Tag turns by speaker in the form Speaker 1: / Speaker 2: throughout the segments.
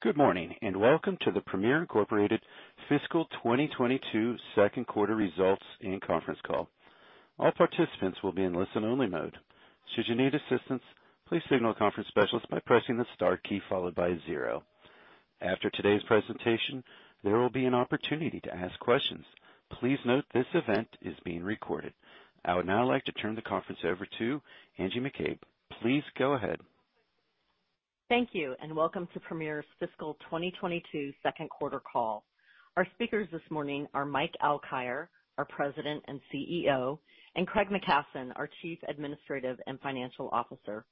Speaker 1: Good morning, and welcome to the Premier, Inc. fiscal 2022 second quarter results and conference call. All participants will be in listen-only mode. Should you need assistance, please signal a conference specialist by pressing the star key followed by zero. After today's presentation, there will be an opportunity to ask questions. Please note this event is being recorded. I would now like to turn the conference over to Angie McCabe. Please go ahead.
Speaker 2: Thank you, and welcome to Premier's fiscal 2022 Q2 call. Our speakers this morning are Mike Alkire, our President and CEO, and Craig McKasson, our Chief Administrative and CFO.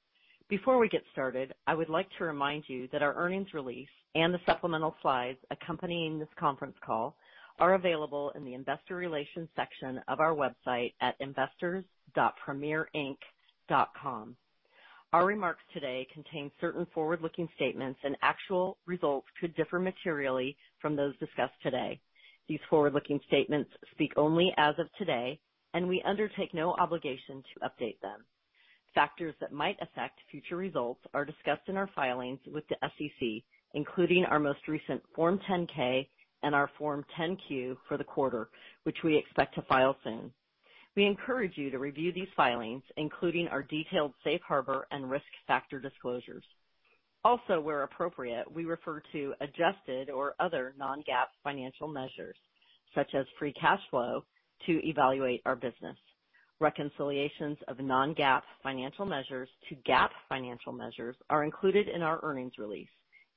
Speaker 2: Before we get started, I would like to remind you that our earnings release and the supplemental slides accompanying this conference call are available in the investor relations section of our website at investors.premierinc.com. Our remarks today contain certain forward-looking statements and actual results could differ materially from those discussed today. These forward-looking statements speak only as of today, and we undertake no obligation to update them. Factors that might affect future results are discussed in our filings with the SEC, including our most recent Form 10-K and our Form 10-Q for the quarter, which we expect to file soon. We encourage you to review these filings, including our detailed safe harbor and risk factor disclosures. Also, where appropriate, we refer to adjusted or other non-GAAP financial measures, such as free cash flow, to evaluate our business. Reconciliations of non-GAAP financial measures to GAAP financial measures are included in our earnings release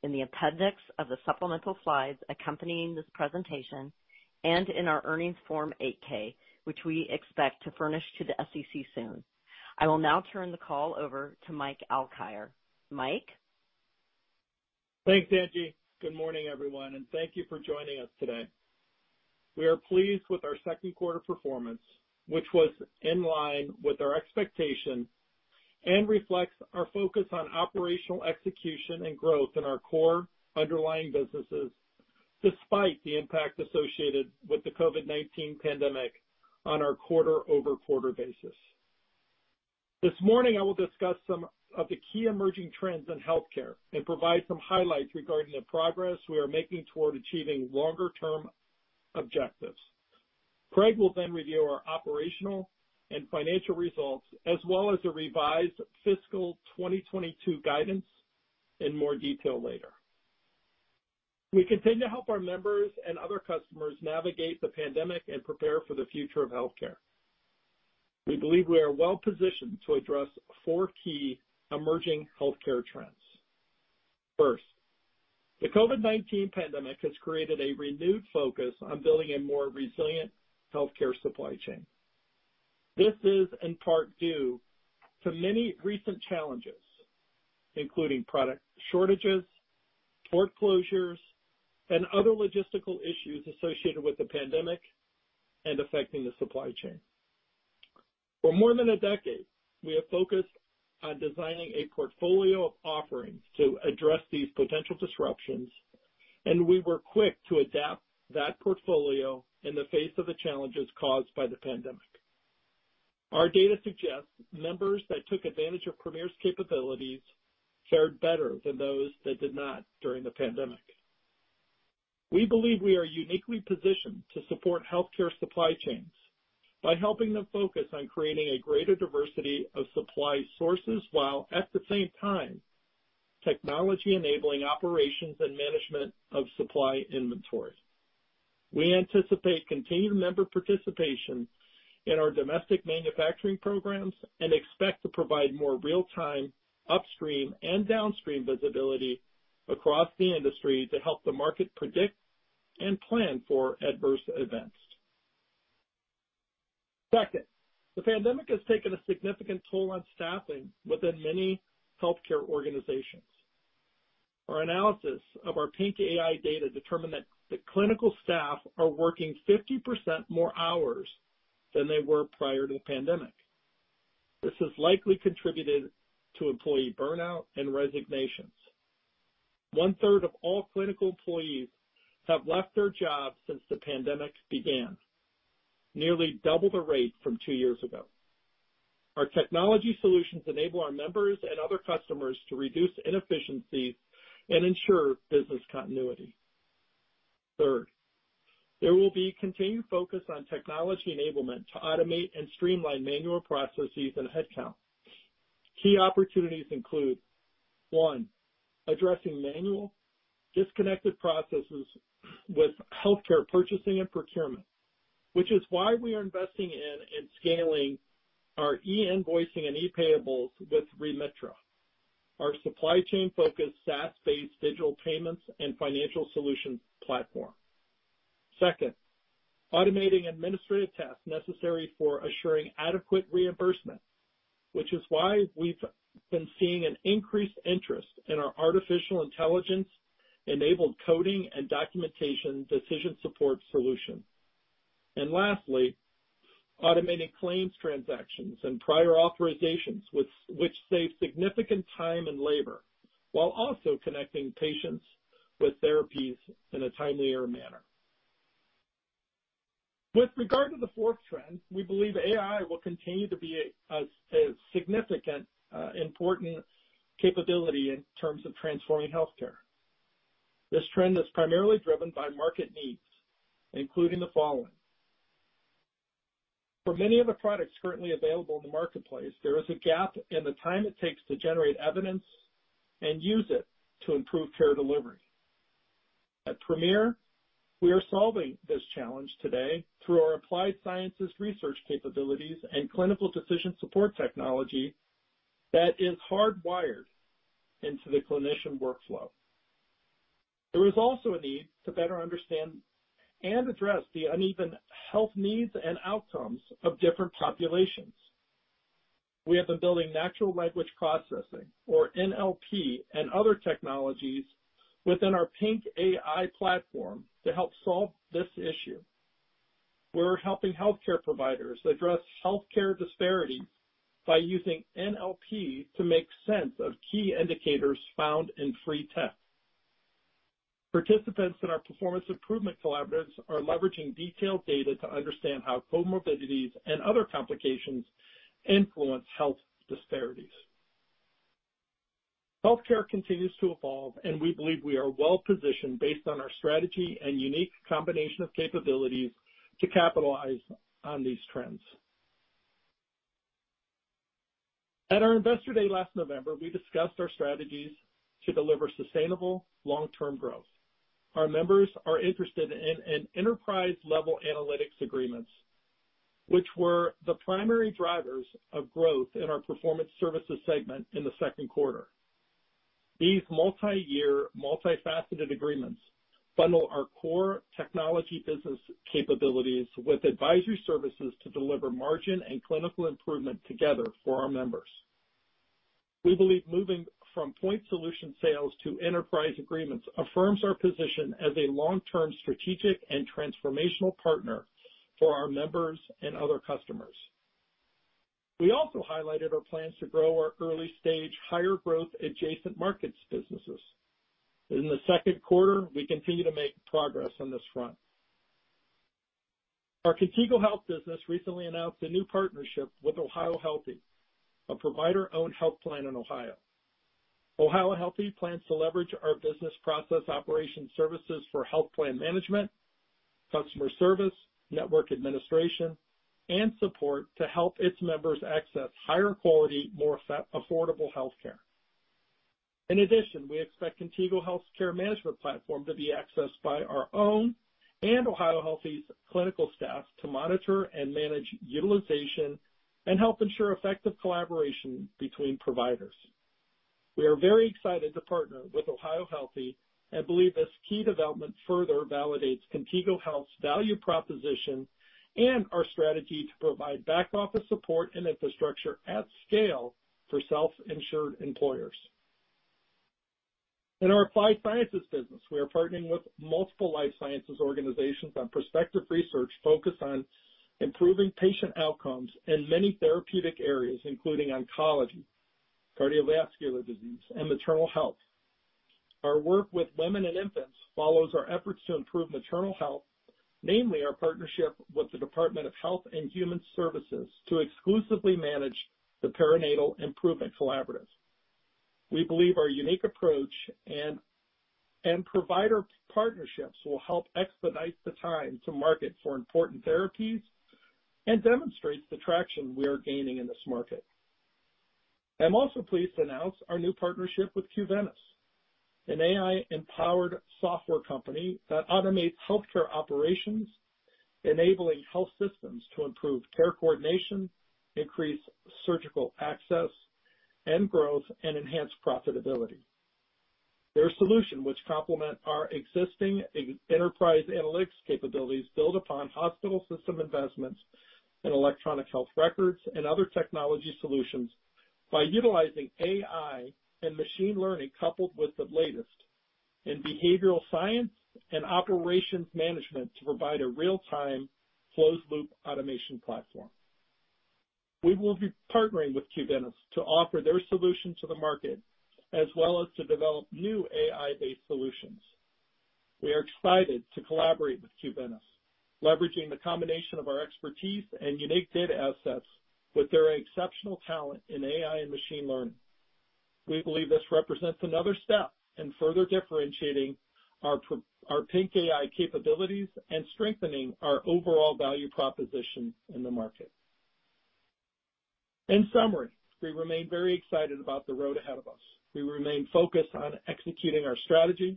Speaker 2: in the appendix of the supplemental slides accompanying this presentation and in our earnings Form 8-K, which we expect to furnish to the SEC soon. I will now turn the call over to Mike Alkire. Mike?
Speaker 3: Thanks, Angie. Good morning, everyone, and thank you for joining us today. We are pleased with our second quarter performance, which was in line with our expectations and reflects our focus on operational execution and growth in our core underlying businesses despite the impact associated with the COVID-19 pandemic on our quarter-over-quarter basis. This morning, I will discuss some of the key emerging trends in healthcare and provide some highlights regarding the progress we are making toward achieving longer-term objectives. Craig will then review our operational and financial results as well as the revised fiscal 2022 guidance in more detail later. We continue to help our members and other customers navigate the pandemic and prepare for the future of healthcare. We believe we are well positioned to address four key emerging healthcare trends. First, the COVID-19 pandemic has created a renewed focus on building a more resilient healthcare supply chain. This is in part due to many recent challenges, including product shortages, port closures, and other logistical issues associated with the pandemic and affecting the supply chain. For more than a decade, we have focused on designing a portfolio of offerings to address these potential disruptions, and we were quick to adapt that portfolio in the face of the challenges caused by the pandemic. Our data suggests members that took advantage of Premier's capabilities fared better than those that did not during the pandemic. We believe we are uniquely positioned to support healthcare supply chains by helping them focus on creating a greater diversity of supply sources, while at the same time technologically enabling operations and management of supply inventories. We anticipate continued member participation in our domestic manufacturing programs and expect to provide more real-time upstream and downstream visibility across the industry to help the market predict and plan for adverse events. Second, the pandemic has taken a significant toll on staffing within many healthcare organizations. Our analysis of our PINC AI data determined that the clinical staff are working 50% more hours than they were prior to the pandemic. This has likely contributed to employee burnout and resignations. One third of all clinical employees have left their jobs since the pandemic began, nearly double the rate from two years ago. Our technology solutions enable our members and other customers to reduce inefficiencies and ensure business continuity. Third, there will be continued focus on technology enablement to automate and streamline manual processes and headcount. Key opportunities include, one, addressing manual disconnected processes with healthcare purchasing and procurement, which is why we are investing in and scaling our e-invoicing and e-payables with Remitra, our supply chain focused SaaS-based digital payments and financial solutions platform. Second, automating administrative tasks necessary for assuring adequate reimbursement, which is why we've been seeing an increased interest in our artificial intelligence enabled coding and documentation decision support solution. Lastly, automated claims transactions and prior authorizations which save significant time and labor while also connecting patients with therapies in a timelier manner. With regard to the fourth trend, we believe AI will continue to be a significant important capability in terms of transforming healthcare. This trend is primarily driven by market needs, including the following. For many of the products currently available in the marketplace, there is a gap in the time it takes to generate evidence and use it to improve care delivery. At Premier, we are solving this challenge today through our applied sciences research capabilities and clinical decision support technology that is hardwired into the clinician workflow. There is also a need to better understand and address the uneven health needs and outcomes of different populations. We have been building natural language processing, or NLP, and other technologies within our PINC AI platform to help solve this issue. We're helping healthcare providers address healthcare disparity by using NLP to make sense of key indicators found in free text. Participants in our performance improvement collaboratives are leveraging detailed data to understand how comorbidities and other complications influence health disparities. Healthcare continues to evolve, and we believe we are well-positioned based on our strategy and unique combination of capabilities to capitalize on these trends. At our Investor Day last November, we discussed our strategies to deliver sustainable long-term growth. Our members are interested in an enterprise-level analytics agreements, which were the primary drivers of growth in our Performance Services segment in the second quarter. These multi-year, multifaceted agreements bundle our core technology business capabilities with advisory services to deliver margin and clinical improvement together for our members. We believe moving from point solution sales to enterprise agreements affirms our position as a long-term strategic and transformational partner for our members and other customers. We also highlighted our plans to grow our early stage, higher growth adjacent markets businesses. In the second quarter, we continue to make progress on this front. Our Contigo Health business recently announced a new partnership with OhioHealthy, a provider-owned health plan in Ohio. OhioHealthy plans to leverage our business process operations services for health plan management, customer service, network administration, and support to help its members access higher quality, more affordable healthcare. In addition, we expect Contigo Health's care management platform to be accessed by our own and OhioHealthy's clinical staff to monitor and manage utilization and help ensure effective collaboration between providers. We are very excited to partner with OhioHealthy and believe this key development further validates Contigo Health's value proposition and our strategy to provide back office support and infrastructure at scale for self-insured employers. In our applied sciences business, we are partnering with multiple life sciences organizations on prospective research focused on improving patient outcomes in many therapeutic areas, including oncology, cardiovascular disease, and maternal health. Our work with women and infants follows our efforts to improve maternal health, namely our partnership with the Department of Health and Human Services to exclusively manage the Perinatal Improvement Collaborative. We believe our unique approach and provider partnerships will help expedite the time to market for important therapies and demonstrates the traction we are gaining in this market. I'm also pleased to announce our new partnership with Qventus, an AI-empowered software company that automates healthcare operations, enabling health systems to improve care coordination, increase surgical access and growth, and enhance profitability. Their solution, which complement our existing enterprise analytics capabilities, build upon hospital system investments in electronic health records and other technology solutions by utilizing AI and machine learning, coupled with the latest in behavioral science and operations management to provide a real-time closed loop automation platform. We will be partnering with Qventus to offer their solution to the market, as well as to develop new AI-based solutions. We are excited to collaborate with Qventus, leveraging the combination of our expertise and unique data assets with their exceptional talent in AI and machine learning. We believe this represents another step in further differentiating our PINC AI capabilities and strengthening our overall value proposition in the market. In summary, we remain very excited about the road ahead of us. We remain focused on executing our strategy.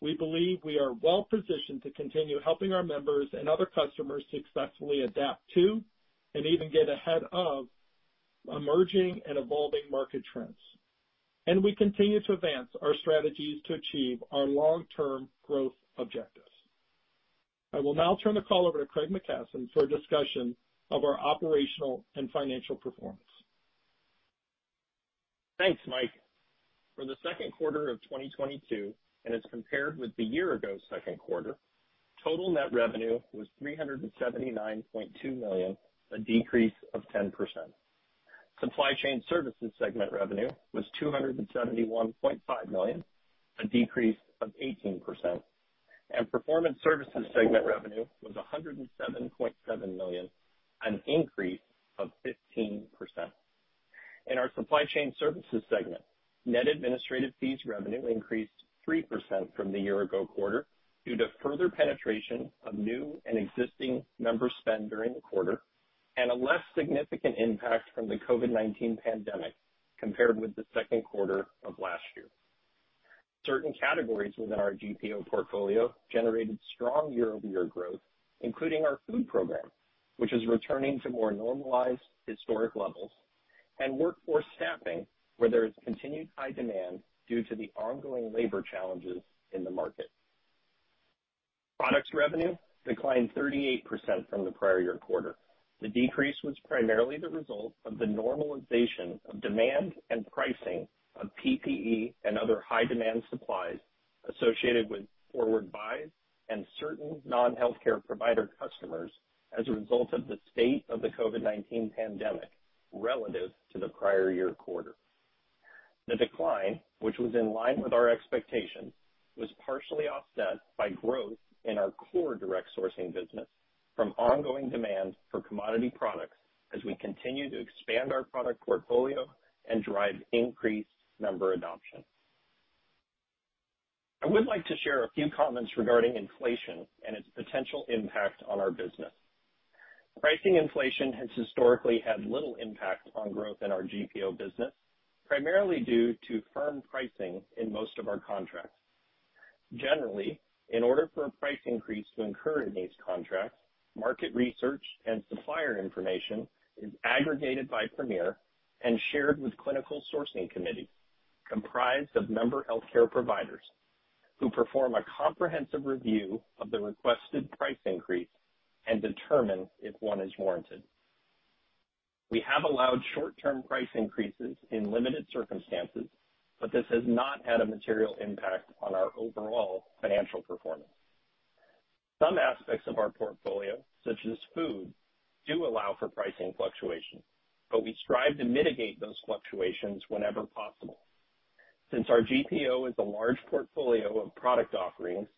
Speaker 3: We believe we are well-positioned to continue helping our members and other customers successfully adapt to, and even get ahead of, emerging and evolving market trends. We continue to advance our strategies to achieve our long-term growth objectives. I will now turn the call over to Craig McKasson for a discussion of our operational and financial performance.
Speaker 4: Thanks, Mike. For the second quarter of 2022, and as compared with the year-ago second quarter, total net revenue was $379.2 million, a decrease of 10%. Supply Chain Services segment revenue was $271.5 million, a decrease of 18%. Performance Services segment revenue was $107.7 million, an increase of 15%. In our Supply Chain Services segment, net administrative fees revenue increased three percent from the year-ago quarter due to further penetration of new and existing member spend during the quarter, and a less significant impact from the COVID-19 pandemic compared with the second quarter of last year. Certain categories within our GPO portfolio generated strong year-over-year growth, including our food program, which is returning to more normalized historic levels, and workforce staffing, where there is continued high demand due to the ongoing labor challenges in the market. Products revenue declined 38% from the prior year quarter. The decrease was primarily the result of the normalization of demand and pricing of PPE and other high demand supplies associated with forward buys and certain non-healthcare provider customers as a result of the state of the COVID-19 pandemic, relative to the prior year quarter. The decline, which was in line with our expectations, was partially offset by growth in our core direct sourcing business from ongoing demand for commodity products as we continue to expand our product portfolio and drive increased member adoption. I would like to share a few comments regarding inflation and its potential impact on our business. Pricing inflation has historically had little impact on growth in our GPO business, primarily due to firm pricing in most of our contracts. Generally, in order for a price increase to occur in these contracts, market research and supplier information is aggregated by Premier and shared with clinical sourcing committees comprised of member healthcare providers who perform a comprehensive review of the requested price increase and determine if one is warranted. We have allowed short-term price increases in limited circumstances, but this has not had a material impact on our overall financial performance. Some aspects of our portfolio, such as food, do allow for pricing fluctuation, but we strive to mitigate those fluctuations whenever possible. Since our GPO is a large portfolio of product offerings,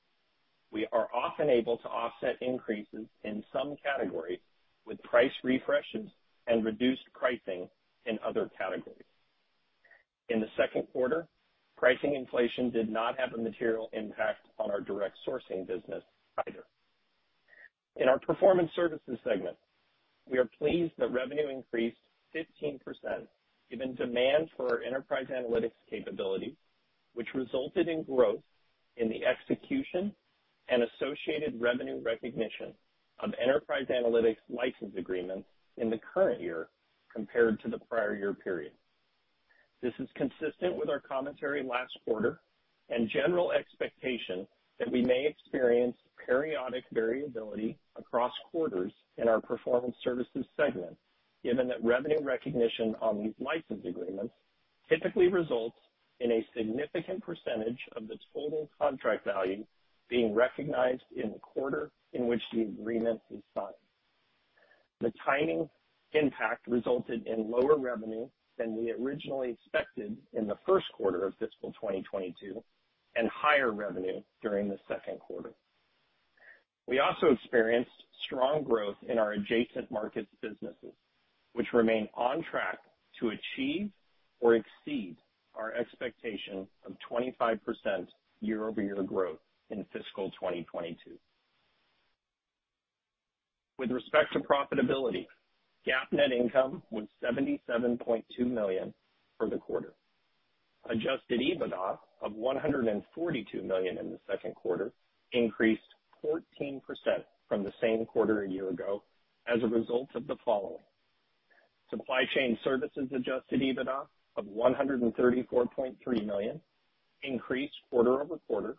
Speaker 4: we are often able to offset increases in some categories with price refreshes and reduced pricing in other categories. In the second quarter, pricing inflation did not have a material impact on our direct sourcing business either. In our performance services segment, we are pleased that revenue increased 15% given demand for our enterprise analytics capabilities, which resulted in growth in the execution and associated revenue recognition of enterprise analytics license agreements in the current year compared to the prior year period. This is consistent with our commentary last quarter and general expectation that we may experience periodic variability across quarters in our performance services segment, given that revenue recognition on these license agreements typically results in a significant percentage of the total contract value being recognized in the quarter in which the agreement is signed. The timing impact resulted in lower revenue than we originally expected in the first quarter of fiscal 2022 and higher revenue during the second quarter. We also experienced strong growth in our adjacent markets businesses, which remain on track to achieve or exceed our expectation of 25% year-over-year growth in fiscal 2022. With respect to profitability, GAAP net income was $77.2 million for the quarter. Adjusted EBITDA of $142 million in the second quarter increased 14% from the same quarter a year ago as a result of the following. Supply Chain Services adjusted EBITDA of $134.3 million increased quarter-over-quarter,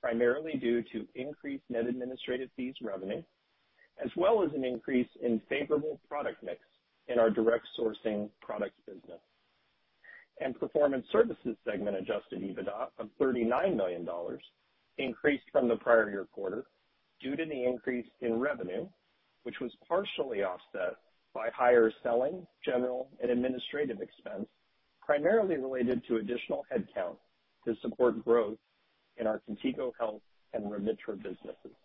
Speaker 4: primarily due to increased net administrative fees revenue, as well as an increase in favorable product mix in our direct sourcing products business. Performance Services segment adjusted EBITDA of $39 million increased from the prior year quarter due to the increase in revenue, which was partially offset by higher selling, general and administrative expense, primarily related to additional headcount to support growth in our Contigo Health and Remitra businesses.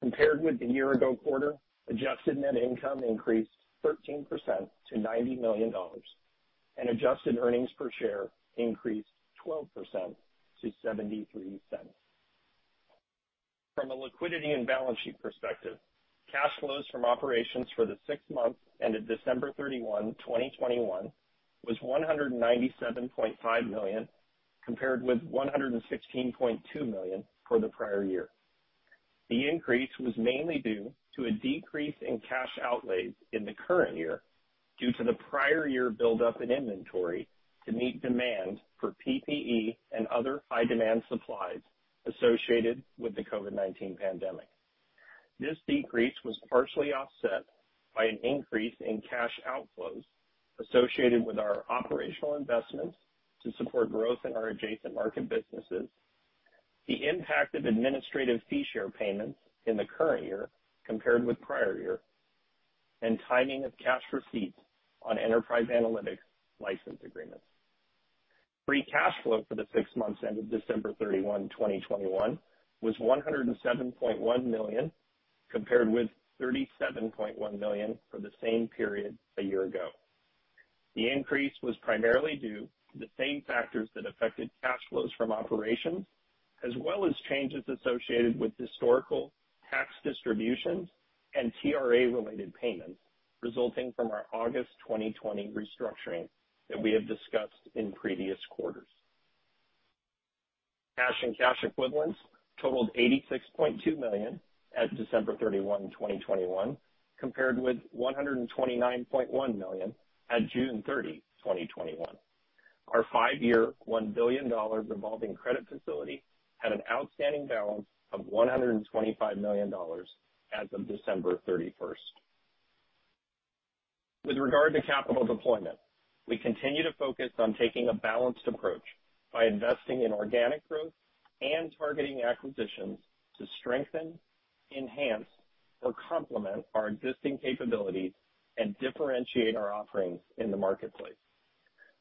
Speaker 4: Compared with the year-ago quarter, adjusted net income increased 13% to $90 million and adjusted earnings per share increased 12% to $0.73. From a liquidity and balance sheet perspective, cash flows from operations for the six months ended December 31, 2021, was $197.5 million, compared with $116.2 million for the prior year. The increase was mainly due to a decrease in cash outlays in the current year due to the prior year buildup in inventory to meet demand for PPE and other high demand supplies associated with the COVID-19 pandemic. This decrease was partially offset by an increase in cash outflows associated with our operational investments to support growth in our adjacent market businesses, the impact of administrative fee share payments in the current year compared with prior year and timing of cash receipts on enterprise analytics license agreements. Free cash flow for the six months ended December 31st 2021 was $107.1 million, compared with $37.1 million for the same period a year ago. The increase was primarily due to the same factors that affected cash flows from operations, as well as changes associated with historical tax distributions and TRA related payments resulting from our August 2020 restructuring that we have discussed in previous quarters. Cash and cash equivalents totaled $86.2 million as of December 31st2021, compared with $129.1 million at June 30th 2021. Our five-year, $1 billion revolving credit facility had an outstanding balance of $125 million as of December 31st. With regard to capital deployment, we continue to focus on taking a balanced approach by investing in organic growth and targeting acquisitions to strengthen, enhance, or complement our existing capabilities and differentiate our offerings in the marketplace.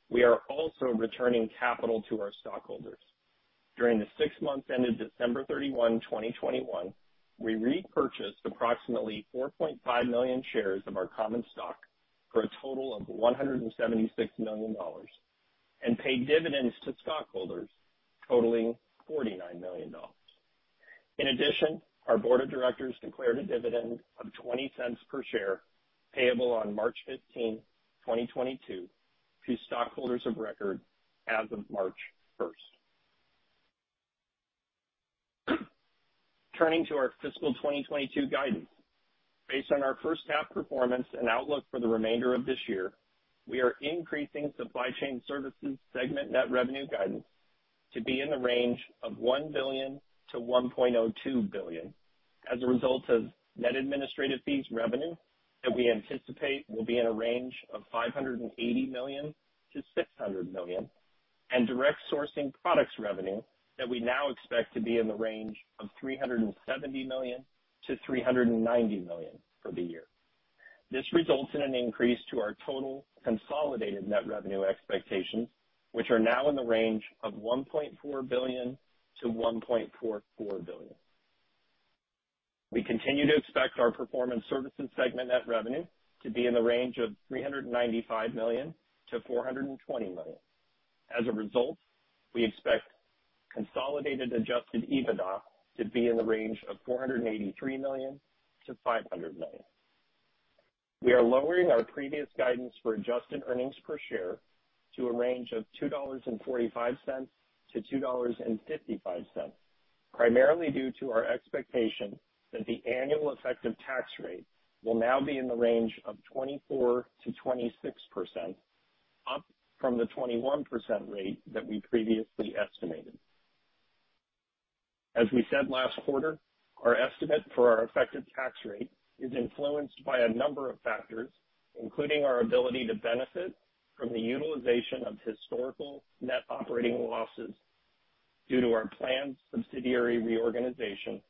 Speaker 4: We are also returning capital to our stockholders. During the six months ended December 31, 2021, we repurchased approximately 4.5 million shares of our common stock for a total of $176 million and paid dividends to stockholders totaling $49 million. In addition, our board of directors declared a dividend of $0.20 per share payable on March 15, 2022 to stockholders of record as of March 1. Turning to our fiscal 2022 guidance. Based on our first half performance and outlook for the remainder of this year, we are increasing supply chain services segment net revenue guidance to be in the range of $1 billion-$1.02 billion as a result of net administrative fees revenue that we anticipate will be in a range of $580 million-$600 million, and direct sourcing products revenue that we now expect to be in the range of $370 million-$390 million for the year. This results in an increase to our total consolidated net revenue expectations, which are now in the range of $1.4 billion-$1.44 billion. We continue to expect our performance services segment net revenue to be in the range of $395 million-$420 million. As a result, we expect consolidated adjusted EBITDA to be in the range of $483 million-$500 million. We are lowering our previous guidance for adjusted earnings per share to a range of $2.45-$2.55, primarily due to our expectation that the annual effective tax rate will now be in the range of 24%-26%, up from the 21% rate that we previously estimated. As we said last quarter, our estimate for our effective tax rate is influenced by a number of factors, including our ability to benefit from the utilization of historical net operating losses due to our planned subsidiary reorganization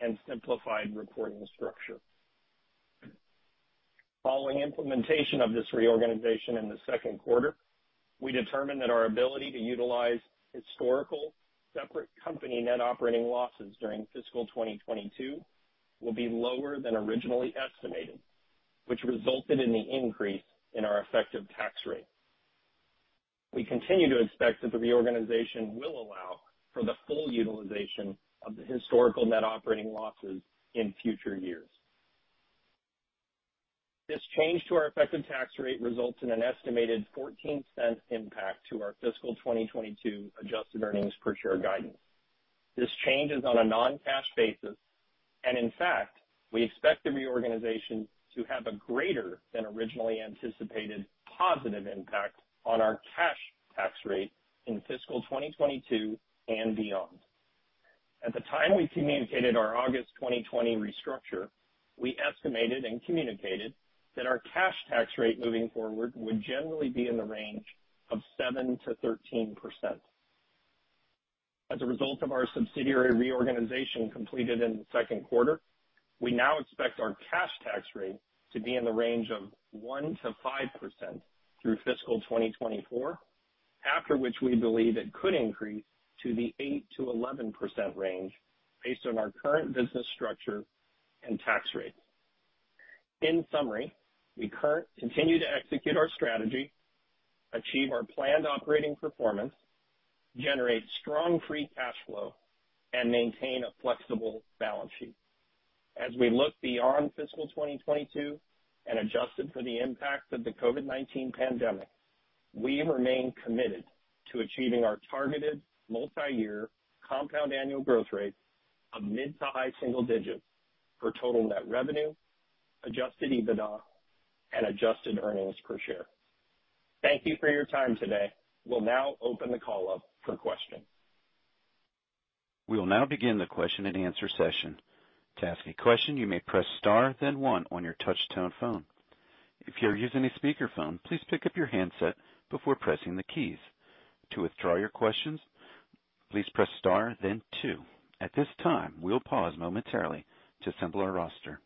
Speaker 4: and simplified reporting structure. Following implementation of this reorganization in the second quarter, we determined that our ability to utilize historical separate company net operating losses during fiscal 2022 will be lower than originally estimated, which resulted in the increase in our effective tax rate. We continue to expect that the reorganization will allow for the full utilization of the historical net operating losses in future years. This change to our effective tax rate results in an estimated $0.14 impact to our fiscal 2022 adjusted earnings per share guidance. This change is on a non-cash basis, and in fact, we expect the reorganization to have a greater than originally anticipated positive impact on our cash tax rate in fiscal 2022 and beyond. At the time we communicated our August 2020 restructure, we estimated and communicated that our cash tax rate moving forward would generally be in the range of 7%-13%. As a result of our subsidiary reorganization completed in the second quarter, we now expect our cash tax rate to be in the range of 1%-5% through fiscal 2024, after which we believe it could increase to the 8%-11% range based on our current business structure and tax rate. In summary, we continue to execute our strategy, achieve our planned operating performance, generate strong free cash flow, and maintain a flexible balance sheet. As we look beyond fiscal 2022 and adjusted for the impact of the COVID-19 pandemic, we remain committed to achieving our targeted multiyear compound annual growth rate of mid to high single digits for total net revenue, adjusted EBITDA, and adjusted earnings per share. Thank you for your time today. We'll now open the call up for questions.
Speaker 1: We will now begin the question and answer session. To ask a question, you may press star, then one on your touchtone phone. If you're using a speakerphone, please pick up your handset before pressing the keys. To withdraw your questions, please press star then two. At this time, we'll pause momentarily to assemble our roster.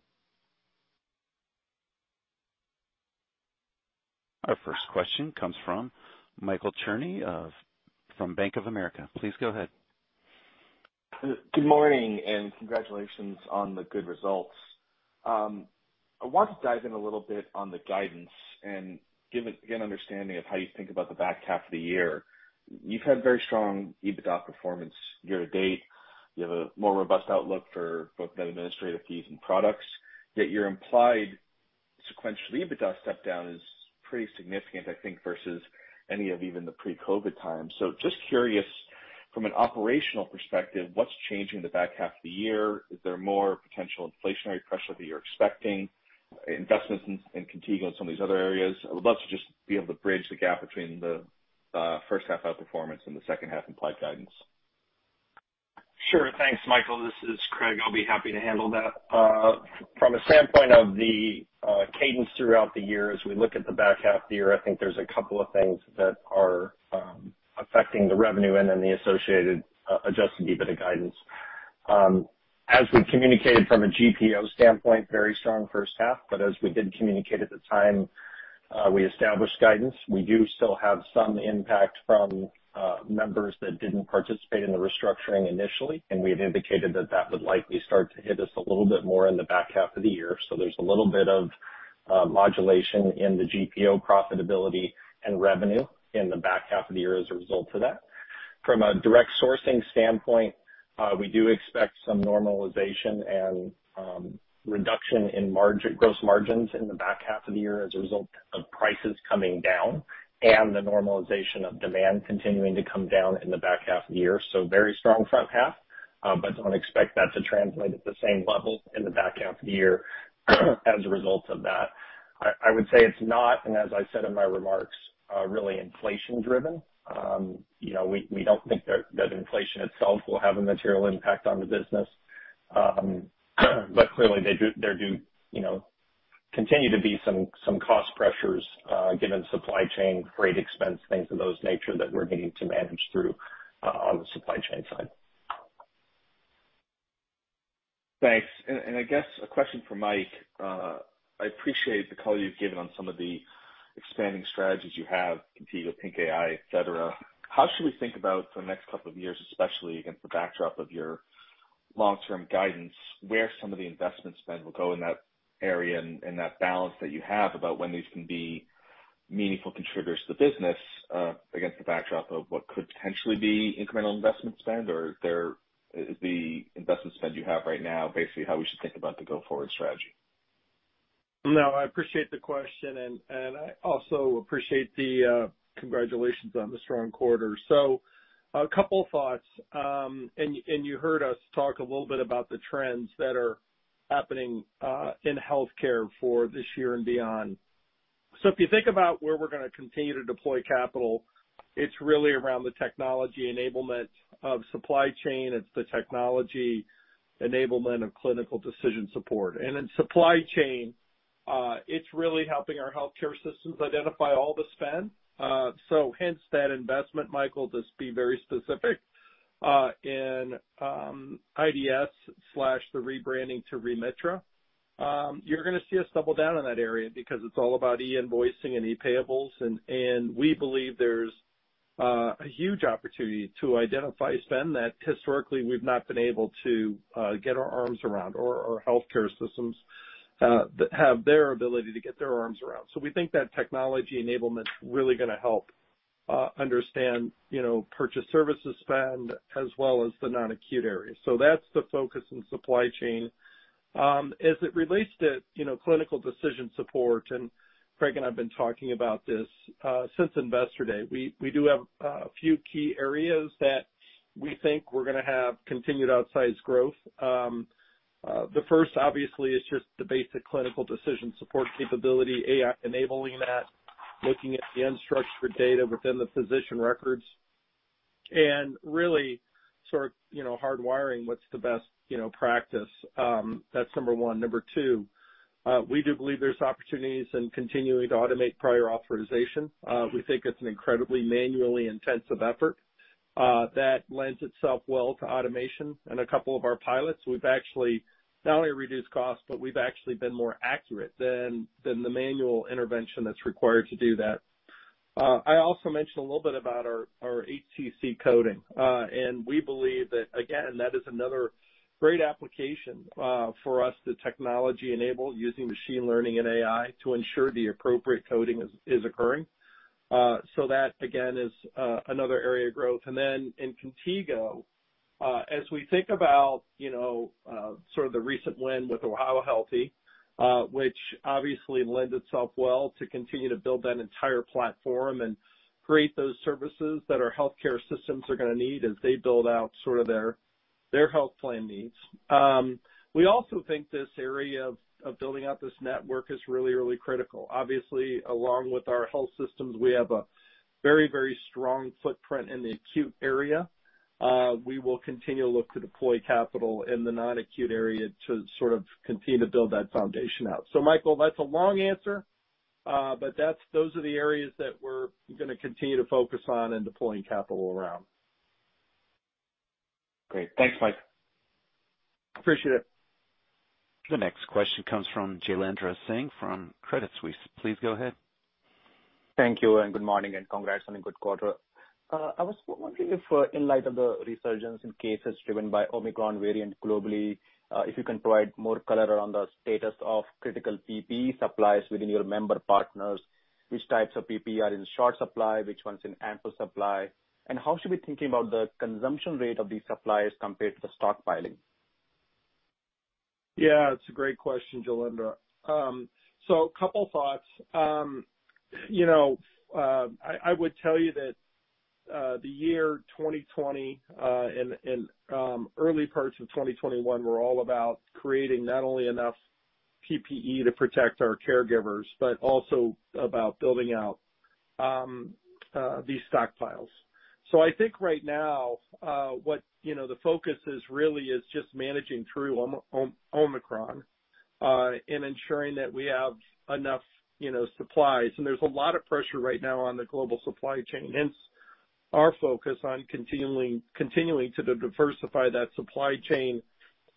Speaker 1: Our first question comes from Michael Cherny from Bank of America. Please go ahead.
Speaker 5: Good morning, and congratulations on the good results. I want to dive in a little bit on the guidance and get an understanding of how you think about the back half of the year. You've had very strong EBITDA performance year to date. You have a more robust outlook for both the administrative fees and products, yet your implied sequential EBITDA step down is pretty significant, I think, versus any of even the pre-COVID times. Just curious, from an operational perspective, what's changing the back half of the year? Is there more potential inflationary pressure that you're expecting, investments in Contigo and some of these other areas? I would love to just be able to bridge the gap between the first half outperformance and the second half implied guidance.
Speaker 3: Sure. Thanks, Michael. This is Craig. I'll be happy to handle that. From a standpoint of the cadence throughout the year, as we look at the back half of the year, I think there's a couple of things that are affecting the revenue and then the associated adjusted EBITDA guidance. As we communicated from a GPO standpoint, very strong first half, but as we did communicate at the time, we established guidance. We do still have some impact from members that didn't participate in the restructuring initially, and we have indicated that that would likely start to hit us a little bit more in the back half of the year. There's a little bit of modulation in the GPO profitability and revenue in the back half of the year as a result of that. From a direct sourcing standpoint, we do expect some normalization and reduction in margins, gross margins in the back half of the year as a result of prices coming down and the normalization of demand continuing to come down in the back half of the year. Very strong front half, but don't expect that to translate at the same level in the back half of the year as a result of that. I would say it's not, and as I said in my remarks, really inflation driven. You know, we don't think that inflation itself will have a material impact on the business. Clearly there do continue to be some cost pressures, you know, given supply chain, freight expense, things of those nature that we're needing to manage through on the supply chain side.
Speaker 5: Thanks. I guess a question for Mike. I appreciate the color you've given on some of the expanding strategies you have, Contigo, PINC AI, et cetera. How should we think about the next couple of years, especially against the backdrop of your long-term guidance, where some of the investment spend will go in that area and that balance that you have about when these can be meaningful contributors to the business, against the backdrop of what could potentially be incremental investment spend? Or is the investment spend you have right now basically how we should think about the go-forward strategy?
Speaker 3: No, I appreciate the question and I also appreciate the congratulations on the strong quarter. A couple thoughts, and you heard us talk a little bit about the trends that are happening in healthcare for this year and beyond. If you think about where we're gonna continue to deploy capital, it's really around the technology enablement of supply chain. It's the technology enablement of clinical decision support. In supply chain, it's really helping our healthcare systems identify all the spend. Hence that investment, Michael, to be very specific, in IDS, the rebranding to Remitra. You're gonna see us double down on that area because it's all about e-invoicing and e-payables, and we believe there's a huge opportunity to identify spend that historically we've not been able to get our arms around or healthcare systems that have their ability to get their arms around. We think that technology enablement's really gonna help understand, you know, purchase services spend as well as the non-acute areas. That's the focus in supply chain. As it relates to, you know, clinical decision support, and Craig and I've been talking about this since Investor Day. We do have a few key areas that we think we're gonna have continued outsized growth. The first obviously is just the basic clinical decision support capability, AI enabling that, looking at the unstructured data within the physician records, and really sort of, you know, hardwiring what's the best, you know, practice. That's number 1. Number 2, we do believe there's opportunities in continuing to automate prior authorization. We think it's an incredibly manually intensive effort, that lends itself well to automation. In a couple of our pilots, we've actually not only reduced costs, but we've actually been more accurate than the manual intervention that's required to do that. I also mentioned a little bit about our AI coding, and we believe that again, that is another great application, for us to technology enable using machine learning and AI to ensure the appropriate coding is occurring. That again is another area of growth. In Contigo, as we think about, you know, sort of the recent win with OhioHealthy, which obviously lends itself well to continue to build that entire platform and create those services that our healthcare systems are gonna need as they build out sort of their health plan needs. We also think this area of building out this network is really critical, obviously. Along with our health systems, we have a very strong footprint in the acute area. We will continue to look to deploy capital in the non-acute area to sort of continue to build that foundation out. Michael, that's a long answer, but those are the areas that we're gonna continue to focus on in deploying capital around.
Speaker 1: Great. Thanks, Mike.
Speaker 3: Appreciate it.
Speaker 1: The next question comes from Jailendra Singh from Credit Suisse. Please go ahead.
Speaker 6: Thank you, and good morning, and congrats on a good quarter. I was wondering if, in light of the resurgence in cases driven by Omicron variant globally, if you can provide more color around the status of critical PPE supplies within your member partners, which types of PPE are in short supply, which ones in ample supply, and how should we be thinking about the consumption rate of these supplies compared to the stockpiling?
Speaker 3: Yeah, it's a great question, Jailendra. So a couple thoughts. I would tell you that the year 2020 and early parts of 2021 were all about creating not only enough PPE to protect our caregivers, but also about building out these stockpiles. So I think right now what the focus really is just managing through Omicron and ensuring that we have enough supplies. You know, there's a lot of pressure right now on the global supply chain, hence our focus on continuing to diversify that supply chain,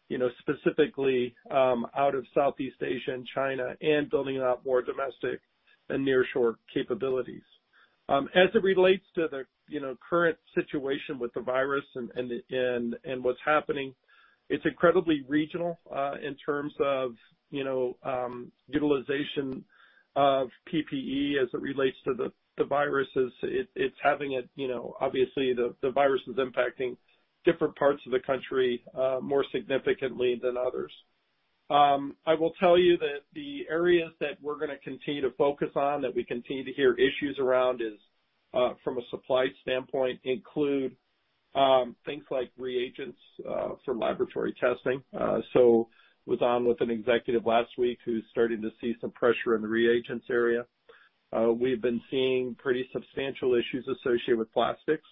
Speaker 3: you know, specifically out of Southeast Asia and China and building out more domestic and nearshore capabilities. As it relates to the, you know, current situation with the virus and what's happening, it's incredibly regional, in terms of, you know, utilization of PPE as it relates to the virus. It's having a, you know, obviously the virus is impacting different parts of the country, more significantly than others. I will tell you that the areas that we're gonna continue to focus on, that we continue to hear issues around is, from a supply standpoint, include, things like reagents, for laboratory testing. So I was on with an executive last week who's starting to see some pressure in the reagents area. We've been seeing pretty substantial issues associated with plastics.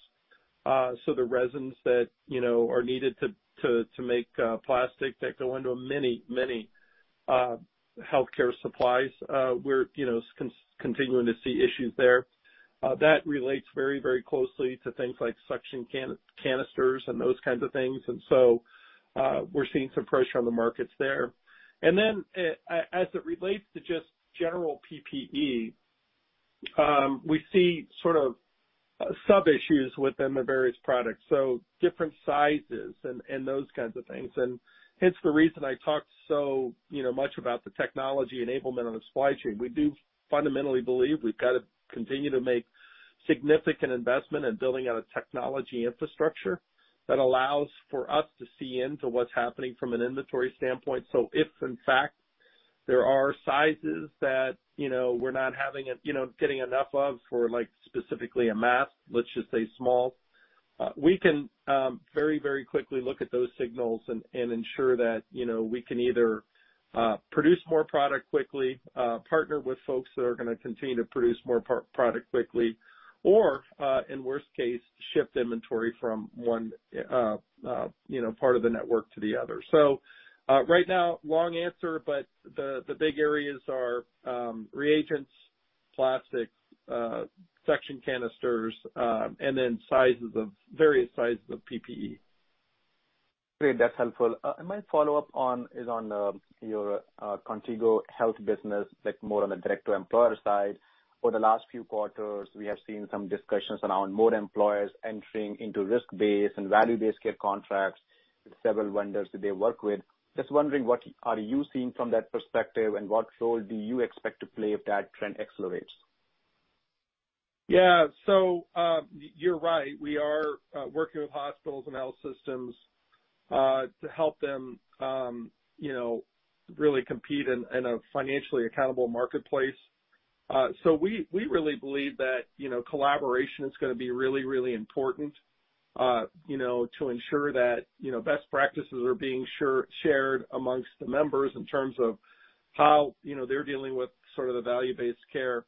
Speaker 3: The resins that, you know, are needed to make plastic that go into many healthcare supplies, we're, you know, continuing to see issues there. That relates very closely to things like suction canisters and those kinds of things. We're seeing some pressure on the markets there. As it relates to just general PPE, we see sort of sub-issues within the various products, so different sizes and those kinds of things. Hence the reason I talked so, you know, much about the technology enablement on the supply chain. We do fundamentally believe we've got to continue to make significant investment in building out a technology infrastructure that allows for us to see into what's happening from an inventory standpoint. If in fact there are sizes that, you know, we're not having, you know, getting enough of for like specifically a mask, let's just say small, we can very, very quickly look at those signals and ensure that, you know, we can either produce more product quickly, partner with folks that are gonna continue to produce more product quickly, or in worst case, shift inventory from one, you know, part of the network to the other. Right now, long answer, but the big areas are reagents, plastics, suction canisters, and then sizes of various sizes of PPE.
Speaker 6: Great. That's helpful. My follow-up is on your Contigo Health business, like more on the direct to employer side. For the last few quarters, we have seen some discussions around more employers entering into risk-based and value-based care contracts with several vendors that they work with. Just wondering what are you seeing from that perspective, and what role do you expect to play if that trend accelerates?
Speaker 3: You're right. We are working with hospitals and health systems to help them, you know, really compete in a financially accountable marketplace. We really believe that, you know, collaboration is gonna be really important, you know, to ensure that, you know, best practices are being shared amongst the members in terms of how, you know, they're dealing with sort of the value-based care.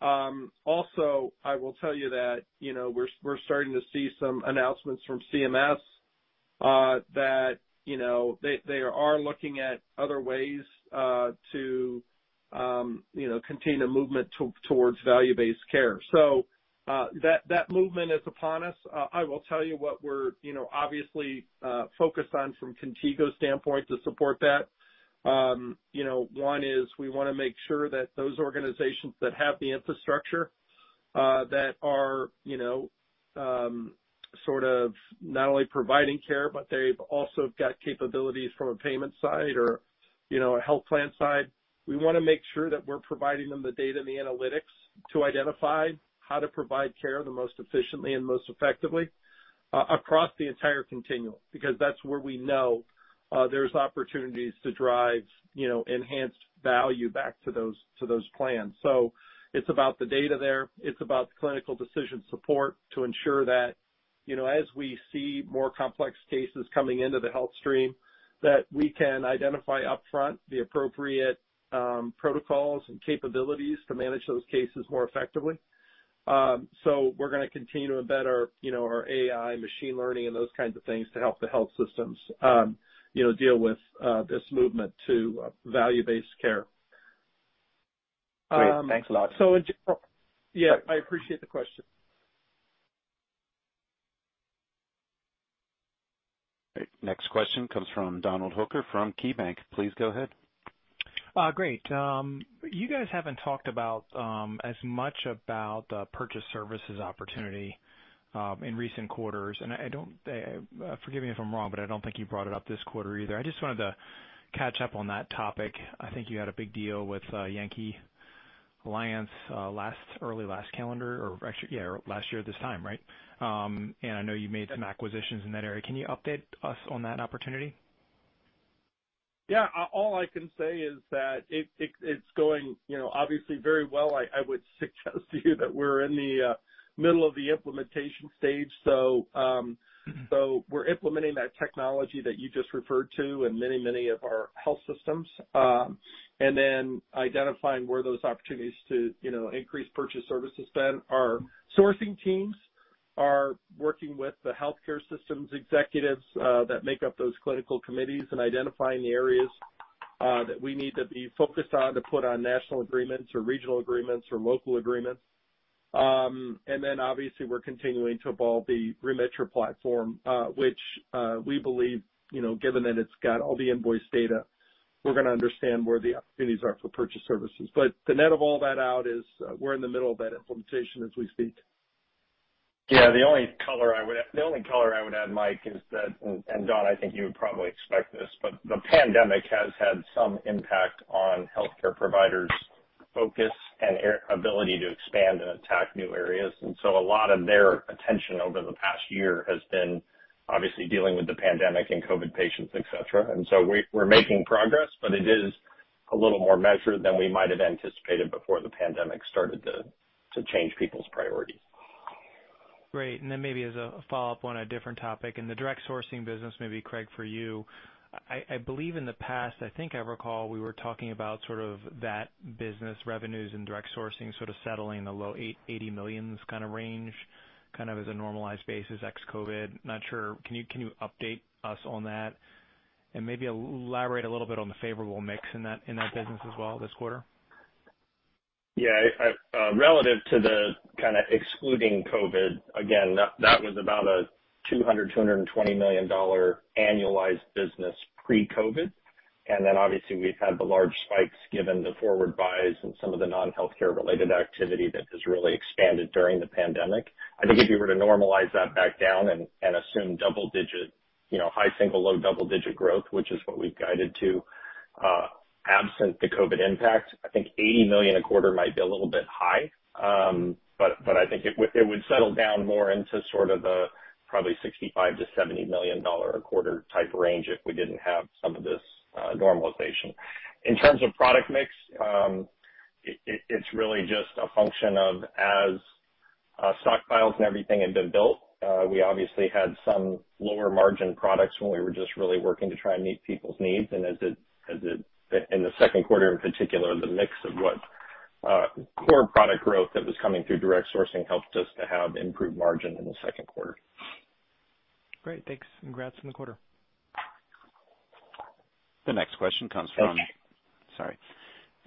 Speaker 3: Also, I will tell you that, you know, we're starting to see some announcements from CMS that, you know, they are looking at other ways to, you know, continue the movement towards value-based care. That movement is upon us. I will tell you what we're, you know, obviously focused on from Contigo's standpoint to support that. You know, one is we wanna make sure that those organizations that have the infrastructure, that are, you know, sort of not only providing care, but they've also got capabilities from a payment side or, you know, a health plan side. We wanna make sure that we're providing them the data and the analytics to identify how to provide care the most efficiently and most effectively across the entire continuum, because that's where we know, there's opportunities to drive, you know, enhanced value back to those plans. It's about the data there. It's about the clinical decision support to ensure that you know, as we see more complex cases coming into the health stream, that we can identify upfront the appropriate protocols and capabilities to manage those cases more effectively. We're gonna continue to embed our, you know, our AI machine learning and those kinds of things to help the health systems, you know, deal with this movement to value-based care.
Speaker 4: Great. Thanks a lot.
Speaker 3: Yeah, I appreciate the question.
Speaker 1: Next question comes from Donald Hooker from KeyBanc. Please go ahead.
Speaker 7: Great. You guys haven't talked about as much about the purchase services opportunity in recent quarters, and forgive me if I'm wrong, but I don't think you brought it up this quarter either. I just wanted to catch up on that topic. I think you had a big deal with Yankee Alliance, early last calendar or actually, yeah, last year this time, right? I know you made some acquisitions in that area. Can you update us on that opportunity?
Speaker 3: Yeah. All I can say is that it's going, you know, obviously very well. I would suggest to you that we're in the middle of the implementation stage, so we're implementing that technology that you just referred to in many of our health systems, and then identifying where those opportunities to, you know, increase purchase services then. Our sourcing teams are working with the healthcare systems executives that make up those clinical committees and identifying the areas that we need to be focused on to put on national agreements or regional agreements or local agreements. We're continuing to evolve the Remitra platform, which we believe, you know, given that it's got all the invoice data, we're gonna understand where the opportunities are for purchase services. The net of all that out is we're in the middle of that implementation as we speak.
Speaker 4: Yeah. The only color I would add, Mike, is that, and Don, I think you would probably expect this, but the pandemic has had some impact on healthcare providers' focus and ability to expand and attack new areas. A lot of their attention over the past year has been obviously dealing with the pandemic and COVID patients, et cetera. We're making progress, but it is a little more measured than we might have anticipated before the pandemic started to change people's priorities.
Speaker 7: Great. Then maybe as a follow-up on a different topic, in the direct sourcing business, maybe Craig for you, I believe in the past, I think I recall we were talking about sort of that business revenues and direct sourcing sort of settling in the low $80 million kinda range, kind of as a normalized basis, ex-COVID. Not sure. Can you update us on that and maybe elaborate a little bit on the favorable mix in that business as well this quarter?
Speaker 4: Yeah. Relative to the kind of excluding COVID, again, that was about a $220 million annualized business pre-COVID. Then obviously, we've had the large spikes given the forward buys and some of the non-healthcare-related activity that has really expanded during the pandemic. I think if you were to normalize that back down and assume double digit, you know, high single, low double-digit growth, which is what we've guided to, absent the COVID impact, I think $80 million a quarter might be a little bit high. But I think it would settle down more into sort of a probably $65 million-$70 million a quarter type range if we didn't have some of this normalization. In terms of product mix, it's really just a function of as stockpiles and everything have been built, we obviously had some lower margin products when we were just really working to try and meet people's needs. In the Q2, in particular, the mix of core product growth that was coming through direct sourcing helped us to have improved margin in the Q2.
Speaker 7: Great. Thanks. Congrats on the quarter.
Speaker 1: The next question comes from.
Speaker 7: Okay.
Speaker 1: Sorry.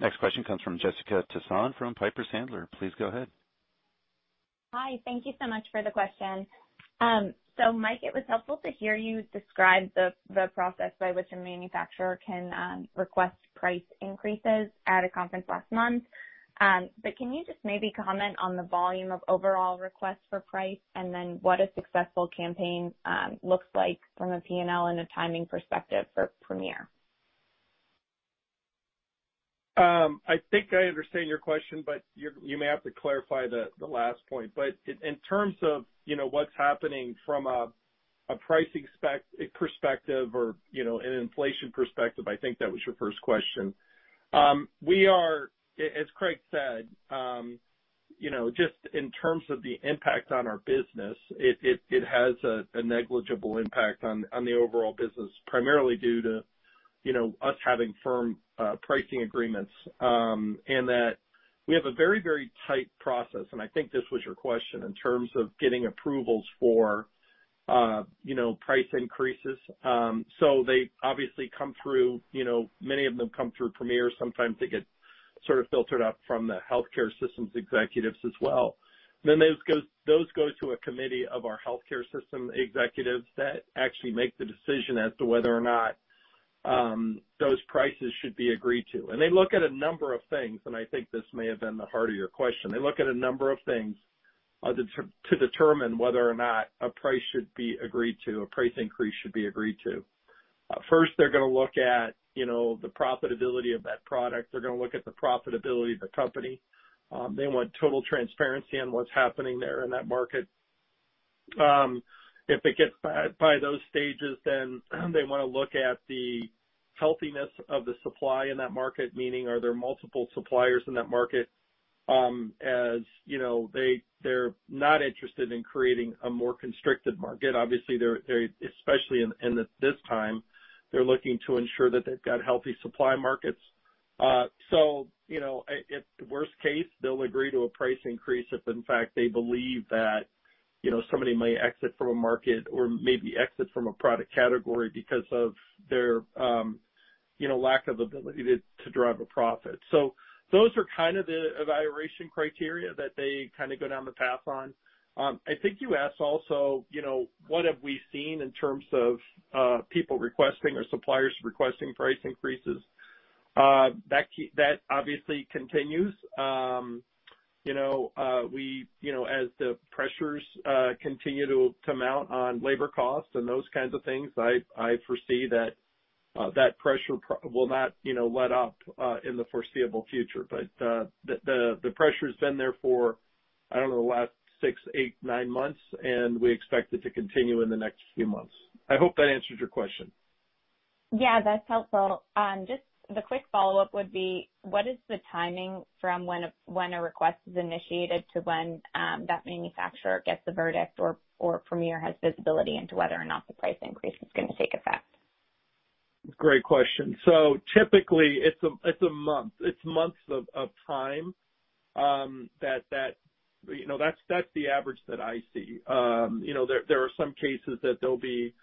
Speaker 1: Next question comes from Jessica Tassan from Piper Sandler. Please go ahead.
Speaker 4: Hi. Thank you so much for the question. Mike, it was helpful to hear you describe the process by which a manufacturer can request price increases at a conference last month. Can you just maybe comment on the volume of overall requests for price, and then what a successful campaign looks like from a P&L and a timing perspective for Premier?
Speaker 3: I think I understand your question, but you may have to clarify the last point. In terms of, you know, what's happening from a pricing perspective or, you know, an inflation perspective, I think that was your first question. We are, as Craig said, you know, just in terms of the impact on our business, it has a negligible impact on the overall business, primarily due to, you know, us having firm pricing agreements, and that we have a very tight process, and I think this was your question, in terms of getting approvals for, you know, price increases. They obviously come through, you know, many of them come through Premier. Sometimes they get sort of filtered up from the healthcare systems executives as well. Those go to a committee of our healthcare system executives that actually make the decision as to whether or not those prices should be agreed to. They look at a number of things, and I think this may have been the heart of your question. They look at a number of things to determine whether or not a price should be agreed to, a price increase should be agreed to. First, they're gonna look at, you know, the profitability of that product. They're gonna look at the profitability of the company. They want total transparency on what's happening there in that market. If it gets by those stages, then they wanna look at the healthiness of the supply in that market, meaning are there multiple suppliers in that market? As you know, they're not interested in creating a more constricted market. Obviously, they're especially in this time, they're looking to ensure that they've got healthy supply markets. So, you know, at worst case, they'll agree to a price increase if in fact they believe that, you know, somebody may exit from a market or maybe exit from a product category because of their lack of ability to drive a profit. So those are kind of the evaluation criteria that they kinda go down the path on. I think you asked also, you know, what have we seen in terms of people requesting or suppliers requesting price increases. That obviously continues. You know, as the pressures continue to come out on labor costs and those kinds of things, I foresee that that pressure will not, you know, let up in the foreseeable future. The pressure's been there for, I don't know, the last six, eight, nine months, and we expect it to continue in the next few months. I hope that answers your question.
Speaker 8: Yeah, that's helpful. Just the quick follow-up would be what is the timing from when a request is initiated to when that manufacturer gets the verdict or Premier has visibility into whether or not the price increase is gonna take effect?
Speaker 3: Great question. Typically it's a month. It's months of time that you know that's the average that I see. You know, there are some cases that there'll be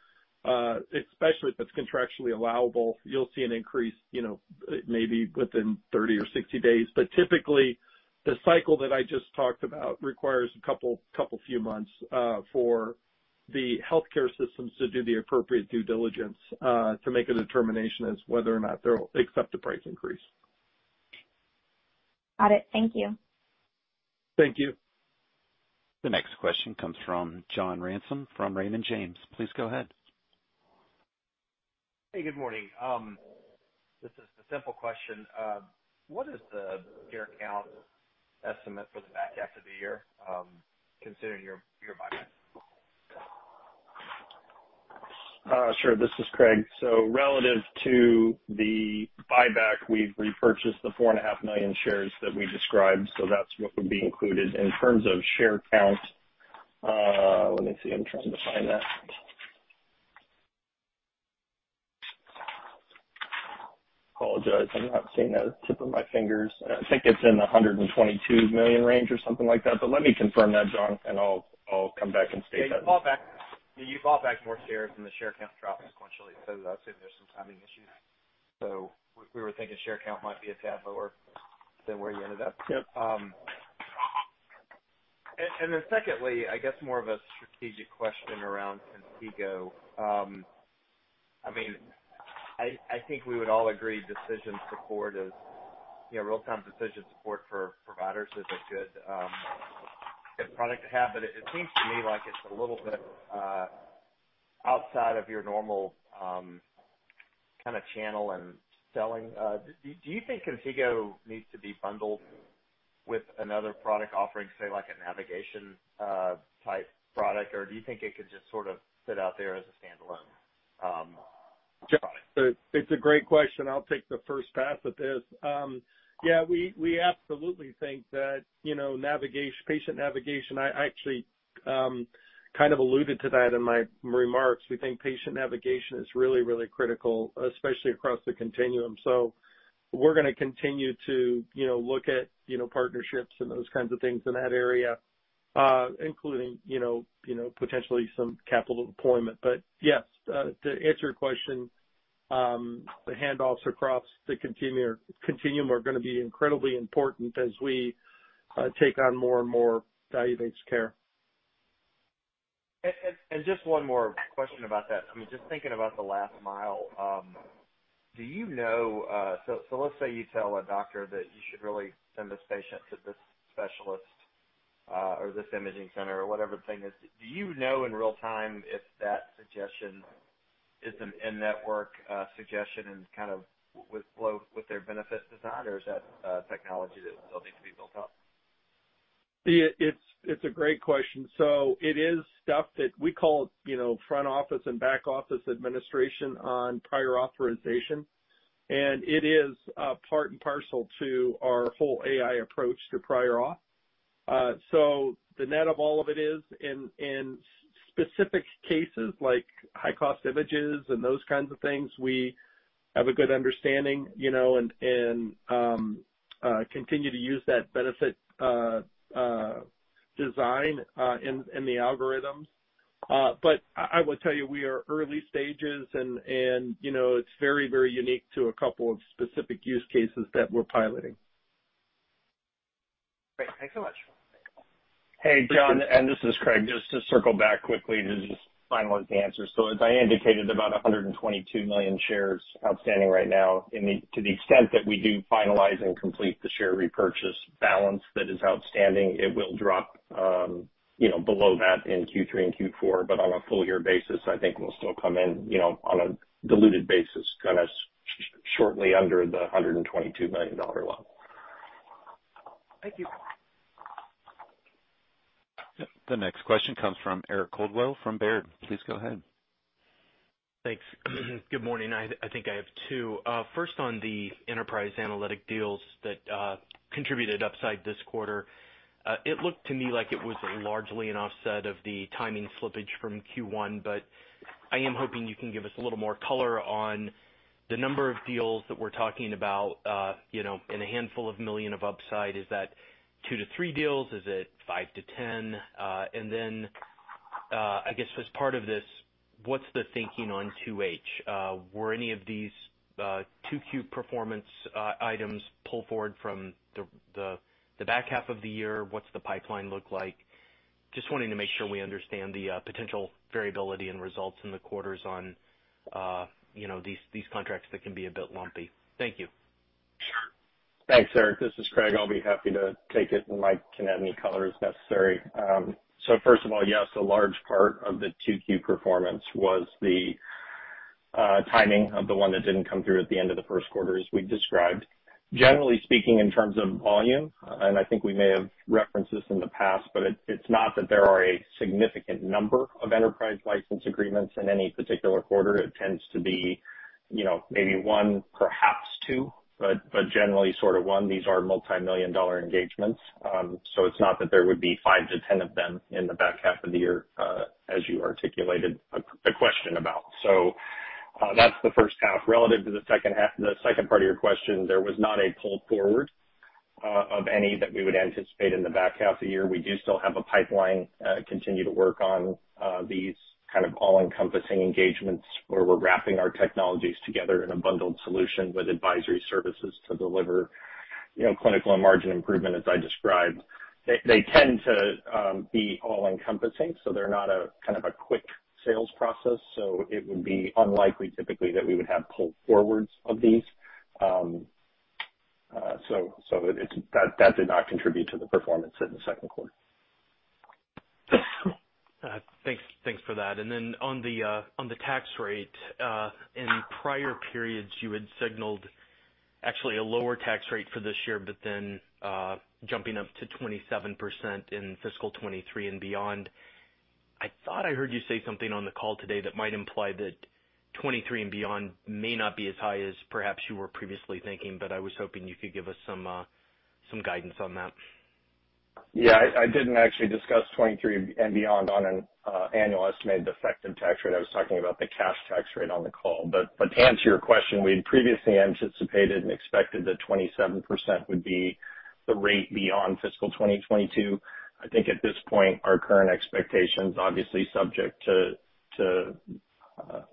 Speaker 3: especially if it's contractually allowable, you'll see an increase you know maybe within 30 or 60 days. But typically, the cycle that I just talked about requires a couple few months for the healthcare systems to do the appropriate due diligence to make a determination as to whether or not they'll accept a price increase.
Speaker 8: Got it. Thank you.
Speaker 3: Thank you.
Speaker 1: The next question comes from John Ransome from Raymond James. Please go ahead.
Speaker 9: Hey, good morning. Just a simple question. What is the share count estimate for the back half of the year, considering your buyback?
Speaker 3: This is Craig. Relative to the buyback, we've repurchased the 4.5 million shares that we described, so that's what would be included. In terms of share count, let me see. I'm trying to find that. Apologies. I'm not seeing that at the fingertips. I think it's in the 122 million range or something like that. Let me confirm that, John, and I'll come back and state that.
Speaker 9: Yeah. You bought back more shares than the share count dropped sequentially, so I assume there's some timing issue. We were thinking share count might be a tad lower than where you ended up.
Speaker 3: Yep.
Speaker 9: Secondly, I guess more of a strategic question around Contigo. I mean, I think we would all agree decision support is, you know, real-time decision support for providers is a good product to have, but it seems to me like it's a little bit outside of your normal kinda channel and selling. Do you think Contigo needs to be bundled with another product offering, say, like a navigation type product, or do you think it could just sort of sit out there as a standalone product?
Speaker 3: John, it's a great question. I'll take the first pass at this. Yeah, we absolutely think that, you know, patient navigation, I actually kind of alluded to that in my remarks. We think patient navigation is really, really critical, especially across the continuum. We're gonna continue to, you know, look at, you know, partnerships and those kinds of things in that area, including, you know, potentially some capital deployment. Yes, to answer your question, the handoffs across the continuum are gonna be incredibly important as we take on more and more value-based care.
Speaker 9: Just one more question about that. I mean, just thinking about the last mile, do you know, so let's say you tell a doctor that you should really send this patient to this specialist, or this imaging center or whatever the thing is. Do you know in real time if that suggestion is an in-network suggestion and kind of workflow with their benefit design, or is that a technology that still needs to be built up?
Speaker 3: Yeah, it's a great question. It is stuff that we call, you know, front office and back office administration on prior authorization, and it is part and parcel to our whole AI approach to prior auth. The net of all of it is in specific cases like high cost images and those kinds of things, we have a good understanding, you know, and continue to use that benefit design in the algorithms. I will tell you, we are early stages and you know, it's very unique to a couple of specific use cases that we're piloting.
Speaker 9: Great. Thanks so much.
Speaker 3: Hey, John, and this is Craig. Just to circle back quickly to just finalize the answer. As I indicated, about 122 million shares outstanding right now. To the extent that we do finalize and complete the share repurchase balance that is outstanding, it will drop, you know, below that in Q3 and Q4, but on a full year basis, I think we'll still come in, you know, on a diluted basis, kinda shortly under the 122 million share mark.
Speaker 9: Thank you.
Speaker 1: The next question comes from Eric Coldwell from Baird. Please go ahead.
Speaker 10: Thanks. Good morning. I think I have two. First, on the enterprise analytic deals that contributed upside this quarter, it looked to me like it was largely an offset of the timing slippage from Q1, but I am hoping you can give us a little more color on the number of deals that we're talking about, you know, in a handful of million of upside, is thattwo-three deals? Is it five-ten? And then, I guess as part of this, what's the thinking on second half? Were any of these 2Q performance items pulled forward from the back half of the year? What's the pipeline look like? Just wanting to make sure we understand the potential variability and results in the quarters on, you know, these contracts that can be a bit lumpy. Thank you.
Speaker 3: Thanks, Eric. This is Craig. I'll be happy to take it, and Mike can add any color as necessary. First of all, yes, a large part of the 2Q performance was the timing of the one that didn't come through at the end of the Q1, as we described. Generally speaking, in terms of volume, and I think we may have referenced this in the past, but it's not that there are a significant number of enterprise license agreements in any particular quarter. It tends to be, you know, maybe one, perhaps two, but generally sort of one. These are multimillion-dollar engagements, so it's not that there would be five to 10 of them in the back half of the year, as you articulated a question about. That's the first half. Relative to the second half, the second part of your question, there was not a pull forward of any that we would anticipate in the back half of the year. We do still have a pipeline continue to work on these kind of all-encompassing engagements where we're wrapping our technologies together in a bundled solution with advisory services to deliver, you know, clinical and margin improvement as I described. They tend to be all-encompassing, so they're not a kind of a quick sales process. It would be unlikely typically that we would have pull forwards of these. It's that did not contribute to the performance in the second quarter.
Speaker 10: Thanks for that. On the tax rate, in prior periods you had signaled actually a lower tax rate for this year, but then jumping up to 27% in fiscal 2023 and beyond. I thought I heard you say something on the call today that might imply that 2023 and beyond may not be as high as perhaps you were previously thinking, but I was hoping you could give us some guidance on that.
Speaker 3: Yeah. I didn't actually discuss 2023 and beyond on an annual estimated effective tax rate. I was talking about the cash tax rate on the call. To answer your question, we had previously anticipated and expected that 27% would be the rate beyond fiscal 2022. I think at this point our current expectations, obviously subject to,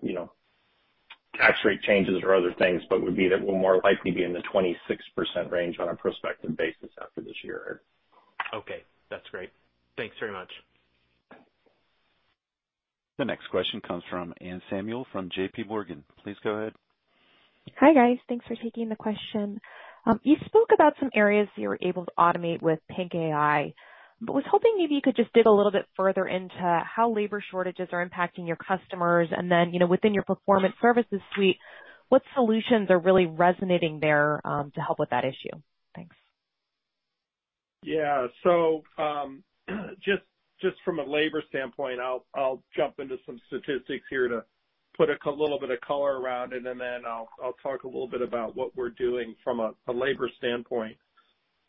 Speaker 3: you know, tax rate changes or other things, would be that we're more likely be in the 26% range on a prospective basis after this year, Eric.
Speaker 10: Okay. That's great. Thanks very much.
Speaker 1: The next question comes from Anne Samuel from J.P. Morgan. Please go ahead.
Speaker 11: Hi, guys. Thanks for taking the question. You spoke about some areas you were able to automate with PINC AI, but was hoping maybe you could just dig a little bit further into how labor shortages are impacting your customers, and then, you know, within your performance services suite, what solutions are really resonating there, to help with that issue? Thanks.
Speaker 3: Yeah. Just from a labor standpoint, I'll jump into some statistics here to put a little bit of color around it, and then I'll talk a little bit about what we're doing from a labor standpoint.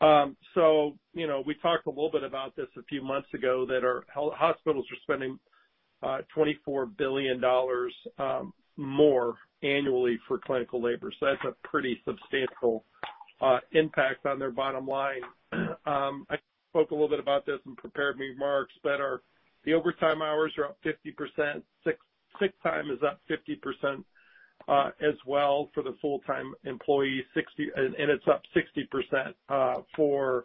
Speaker 3: You know, we talked a little bit about this a few months ago that our hospitals are spending $24 billion more annually for clinical labor. That's a pretty substantial impact on their bottom line. I spoke a little bit about this in prepared remarks, but our overtime hours are up 50%. Sick time is up 50% as well for the full-time employees, and it's up 60% for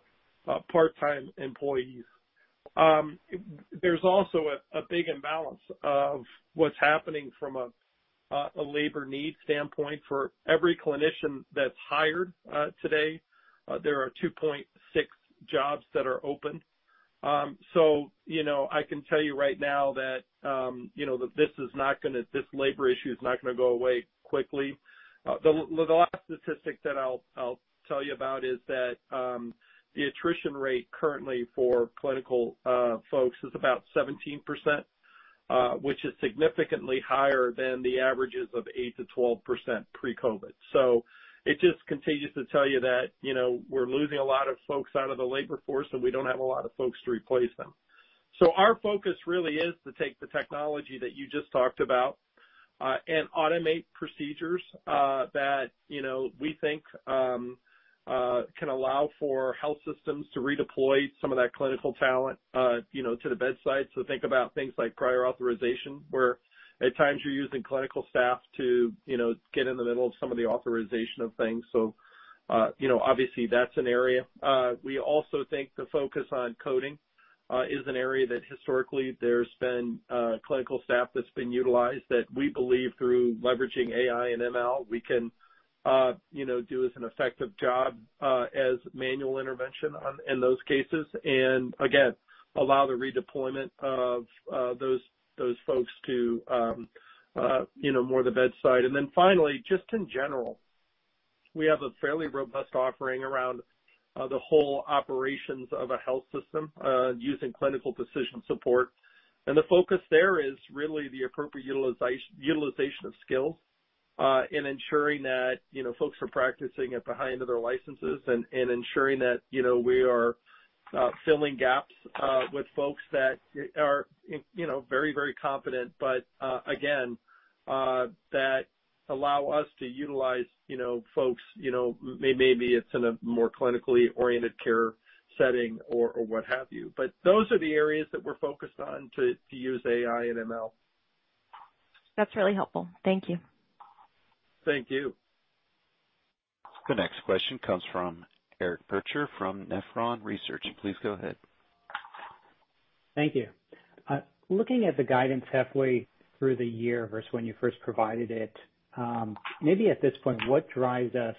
Speaker 3: part-time employees. There's also a big imbalance of what's happening from a labor need standpoint. For every clinician that's hired today, there are 2.6 jobs that are open. You know, I can tell you right now that this labor issue is not gonna go away quickly. The last statistic that I'll tell you about is that the attrition rate currently for clinical folks is about 17%, which is significantly higher than the averages of 8%-12% pre-COVID. It just continues to tell you that, you know, we're losing a lot of folks out of the labor force, and we don't have a lot of folks to replace them. Our focus really is to take the technology that you just talked about, and automate procedures, that, you know, we think, can allow for health systems to redeploy some of that clinical talent, you know, to the bedside. Think about things like prior authorization, where at times you're using clinical staff to, you know, get in the middle of some of the authorization of things. You know, obviously that's an area. We also think the focus on coding is an area that historically there's been clinical staff that's been utilized that we believe through leveraging AI and ML, we can, you know, do as an effective job, as manual intervention on, in those cases, and again, allow the redeployment of, those folks to, you know, more the bedside. Finally, just in general
Speaker 4: We have a fairly robust offering around the whole operations of a health system using clinical decision support. The focus there is really the appropriate utilization of skills in ensuring that, you know, folks are practicing at the height of their licenses and ensuring that, you know, we are filling gaps with folks that are, you know, very competent. But again, that allow us to utilize, you know, folks, you know, maybe it's in a more clinically oriented care setting or what have you. But those are the areas that we're focused on to use AI and ML. That's really helpful. Thank you. Thank you.
Speaker 1: The next question comes from Eric Percher from Nephron Research. Please go ahead.
Speaker 12: Thank you. Looking at the guidance halfway through the year versus when you first provided it, maybe at this point, what drives us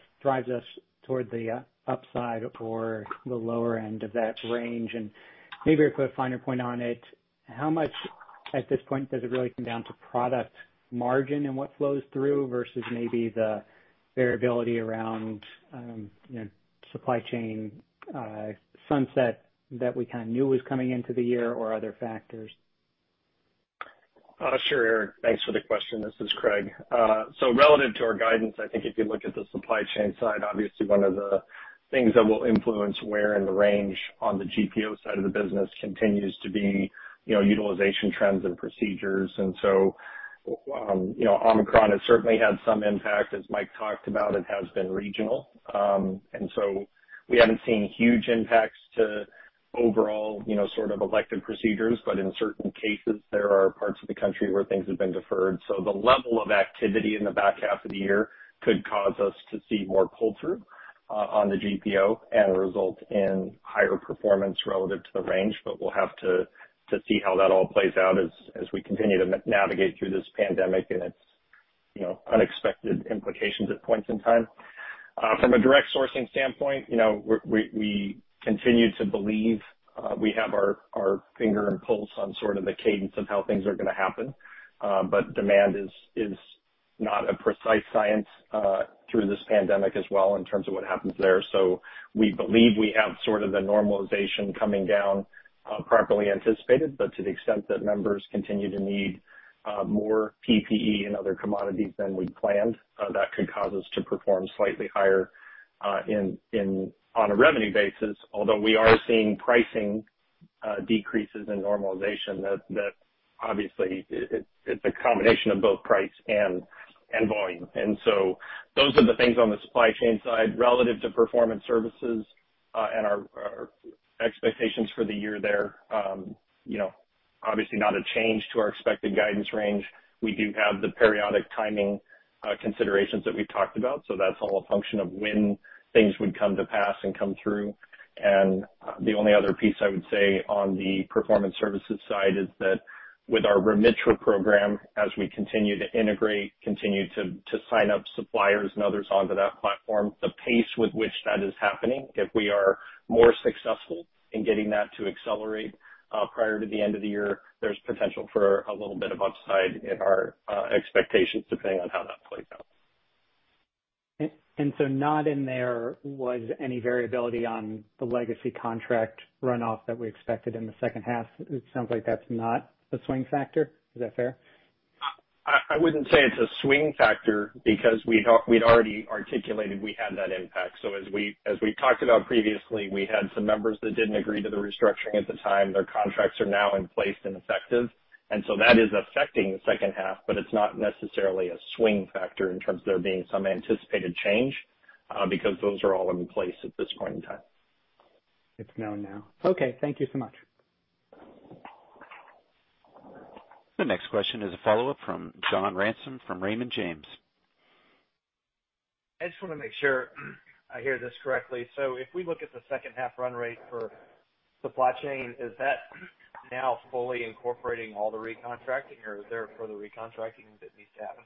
Speaker 12: toward the upside or the lower end of that range? Maybe to put a finer point on it, how much at this point does it really come down to product margin and what flows through versus maybe the variability around, you know, supply chain sunset that we kind of knew was coming into the year or other factors?
Speaker 4: Sure, Eric. Thanks for the question. This is Craig. Relative to our guidance, I think if you look at the supply chain side, obviously one of the things that will influence where in the range on the GPO side of the business continues to be, you know, utilization trends and procedures. You know, Omicron has certainly had some impact. As Mike talked about, it has been regional. We haven't seen huge impacts to overall, you know, sort of elective procedures, but in certain cases, there are parts of the country where things have been deferred. The level of activity in the back half of the year could cause us to see more pull-through on the GPO and result in higher performance relative to the range. We'll have to see how that all plays out as we continue to navigate through this pandemic and its, you know, unexpected implications at points in time. From a direct sourcing standpoint, you know, we continue to believe we have our finger on the pulse of sort of the cadence of how things are gonna happen. Demand is not a precise science through this pandemic as well in terms of what happens there. We believe we have sort of the normalization coming down properly anticipated. To the extent that members continue to need more PPE and other commodities than we'd planned, that could cause us to perform slightly higher on a revenue basis. Although we are seeing pricing decreases and normalization, that obviously it's a combination of both price and volume. Those are the things on the Supply Chain side. Relative to Performance Services and our expectations for the year there, you know, obviously not a change to our expected guidance range. We do have the periodic timing considerations that we've talked about, so that's all a function of when things would come to pass and come through. The only other piece I would say on the performance services side is that with our Remitra program, as we continue to integrate, to sign up suppliers and others onto that platform, the pace with which that is happening, if we are more successful in getting that to accelerate, prior to the end of the year, there's potential for a little bit of upside in our expectations, depending on how that plays out.
Speaker 12: There was not any variability on the legacy contract runoff that we expected in the second half. It sounds like that's not a swing factor. Is that fair?
Speaker 4: I wouldn't say it's a swing factor because we'd already articulated we had that impact. As we talked about previously, we had some members that didn't agree to the restructuring at the time. Their contracts are now in place and effective, and that is affecting the second half, but it's not necessarily a swing factor in terms of there being some anticipated change, because those are all in place at this point in time.
Speaker 12: It's known now. Okay, thank you so much.
Speaker 1: The next question is a follow-up from John Ransom from Raymond James.
Speaker 9: I just wanna make sure I hear this correctly. If we look at the second half run rate for supply chain, is that now fully incorporating all the recontracting, or is there further recontracting that needs to happen?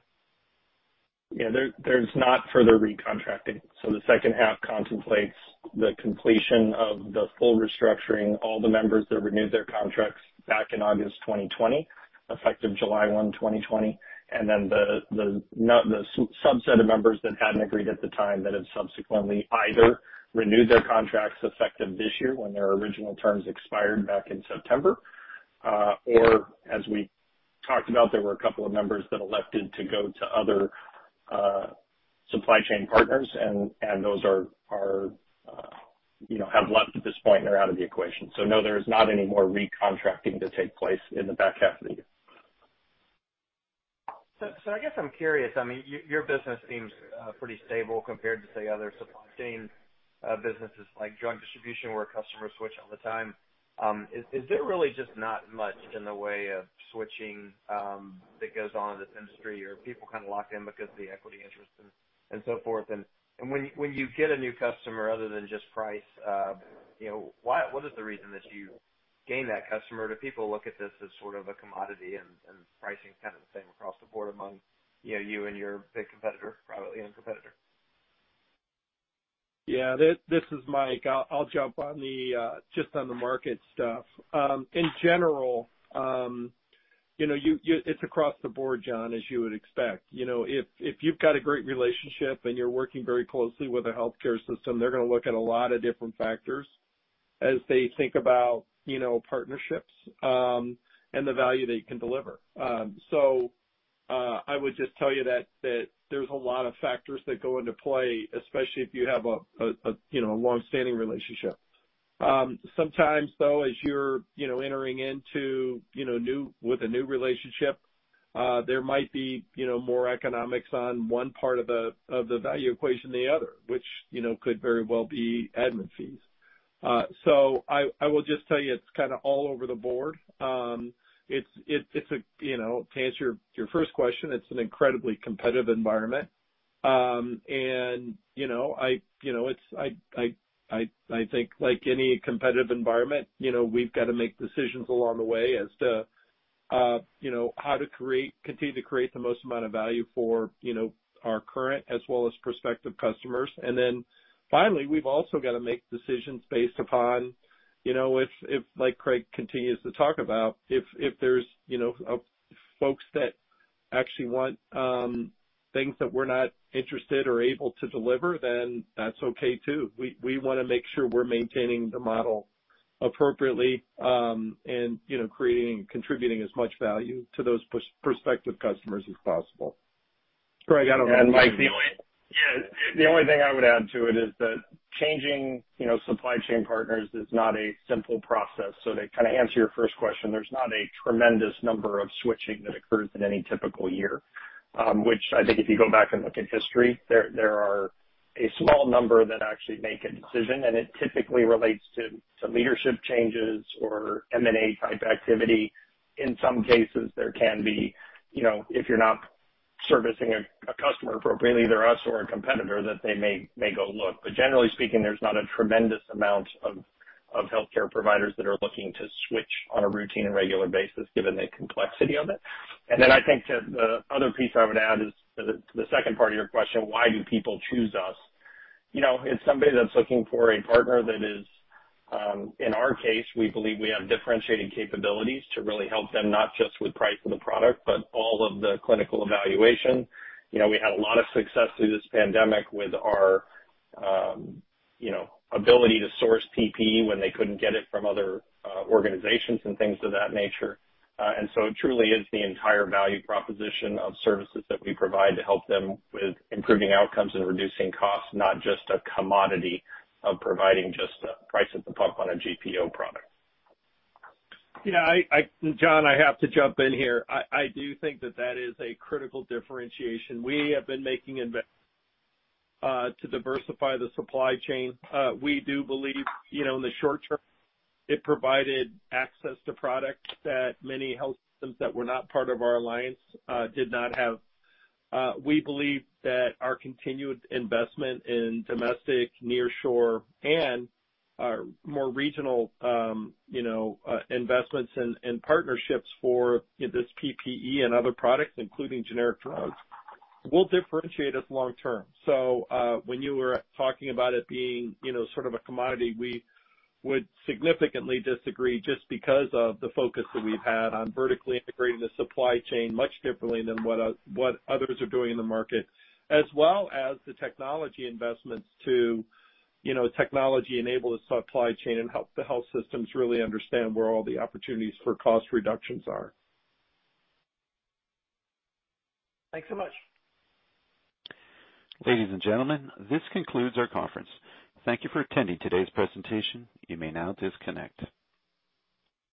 Speaker 4: Yeah. There's not further recontracting. The second half contemplates the completion of the full restructuring, all the members that renewed their contracts back in August 2020, effective July 1st 2020, and then the subset of members that hadn't agreed at the time that have subsequently either renewed their contracts effective this year when their original terms expired back in September, or as we talked about, there were a couple of members that elected to go to other supply chain partners and those are, you know, have left at this point and they're out of the equation. No, there is not any more re-contracting to take place in the back half of the year.
Speaker 9: I guess I'm curious, I mean, your business seems pretty stable compared to, say, other supply chain businesses like drug distribution, where customers switch all the time. Is there really just not much in the way of switching that goes on in this industry, or are people kinda locked in because of the equity interest and so forth? When you get a new customer, other than just price, you know, what is the reason that you gain that customer? Do people look at this as sort of a commodity and pricing's kind of the same across the board among, you know, you and your big competitor, privately owned competitor?
Speaker 3: Yeah, this is Mike. I'll jump in on just the market stuff. In general, you know, it's across the board, John, as you would expect. You know, if you've got a great relationship and you're working very closely with a healthcare system, they're gonna look at a lot of different factors as they think about partnerships and the value that you can deliver. I would just tell you that there's a lot of factors that go into play, especially if you have a long-standing relationship. Sometimes though, as you're entering into a new relationship, there might be more economics on one part of the value equation than the other, which could very well be admin fees. I will just tell you it's kinda all over the board. You know, to answer your first question, it's an incredibly competitive environment. You know, I think like any competitive environment, you know, we've gotta make decisions along the way as to, you know, how to create, continue to create the most amount of value for, you know, our current as well as prospective customers. Then finally, we've also gotta make decisions based upon, you know, if like Craig continues to talk about, if there's, you know, folks that actually want things that we're not interested or able to deliver, then that's okay too. We wanna make sure we're maintaining the model appropriately, and you know, creating and contributing as much value to those prospective customers as possible.
Speaker 1: Craig, I don't know if you-
Speaker 4: Mike, the only thing I would add to it is that changing, you know, supply chain partners is not a simple process. To kinda answer your first question, there's not a tremendous number of switching that occurs in any typical year. Which I think if you go back and look at history, there are a small number that actually make a decision, and it typically relates to leadership changes or M&A type activity. In some cases, there can be, you know, if you're not servicing a customer appropriately, either us or a competitor, that they may go look. Generally speaking, there's not a tremendous amount of healthcare providers that are looking to switch on a routine and regular basis given the complexity of it. I think the other piece I would add is to the second part of your question, why do people choose us? You know, it's somebody that's looking for a partner that is, in our case, we believe we have differentiating capabilities to really help them, not just with price of the product, but all of the clinical evaluation. You know, we had a lot of success through this pandemic with our, you know, ability to source PPE when they couldn't get it from other organizations and things of that nature. And so it truly is the entire value proposition of services that we provide to help them with improving outcomes and reducing costs, not just a commodity of providing just a price at the pump on a GPO product.
Speaker 3: Yeah, John, I have to jump in here. I do think that is a critical differentiation. We have been making investments to diversify the supply chain. We do believe, you know, in the short term, it provided access to products that many health systems that were not part of our alliance did not have. We believe that our continued investment in domestic near shore and our more regional, you know, investments and partnerships for this PPE and other products, including generic drugs, will differentiate us long term. When you were talking about it being, you know, sort of a commodity, we would significantly disagree just because of the focus that we've had on vertically integrating the supply chain much differently than what others are doing in the market, as well as the technology investments to, you know, technology-enable the supply chain and help the health systems really understand where all the opportunities for cost reductions are.
Speaker 1: Thanks so much. Ladies and gentlemen, this concludes our conference. Thank you for attending today's presentation. You may now disconnect.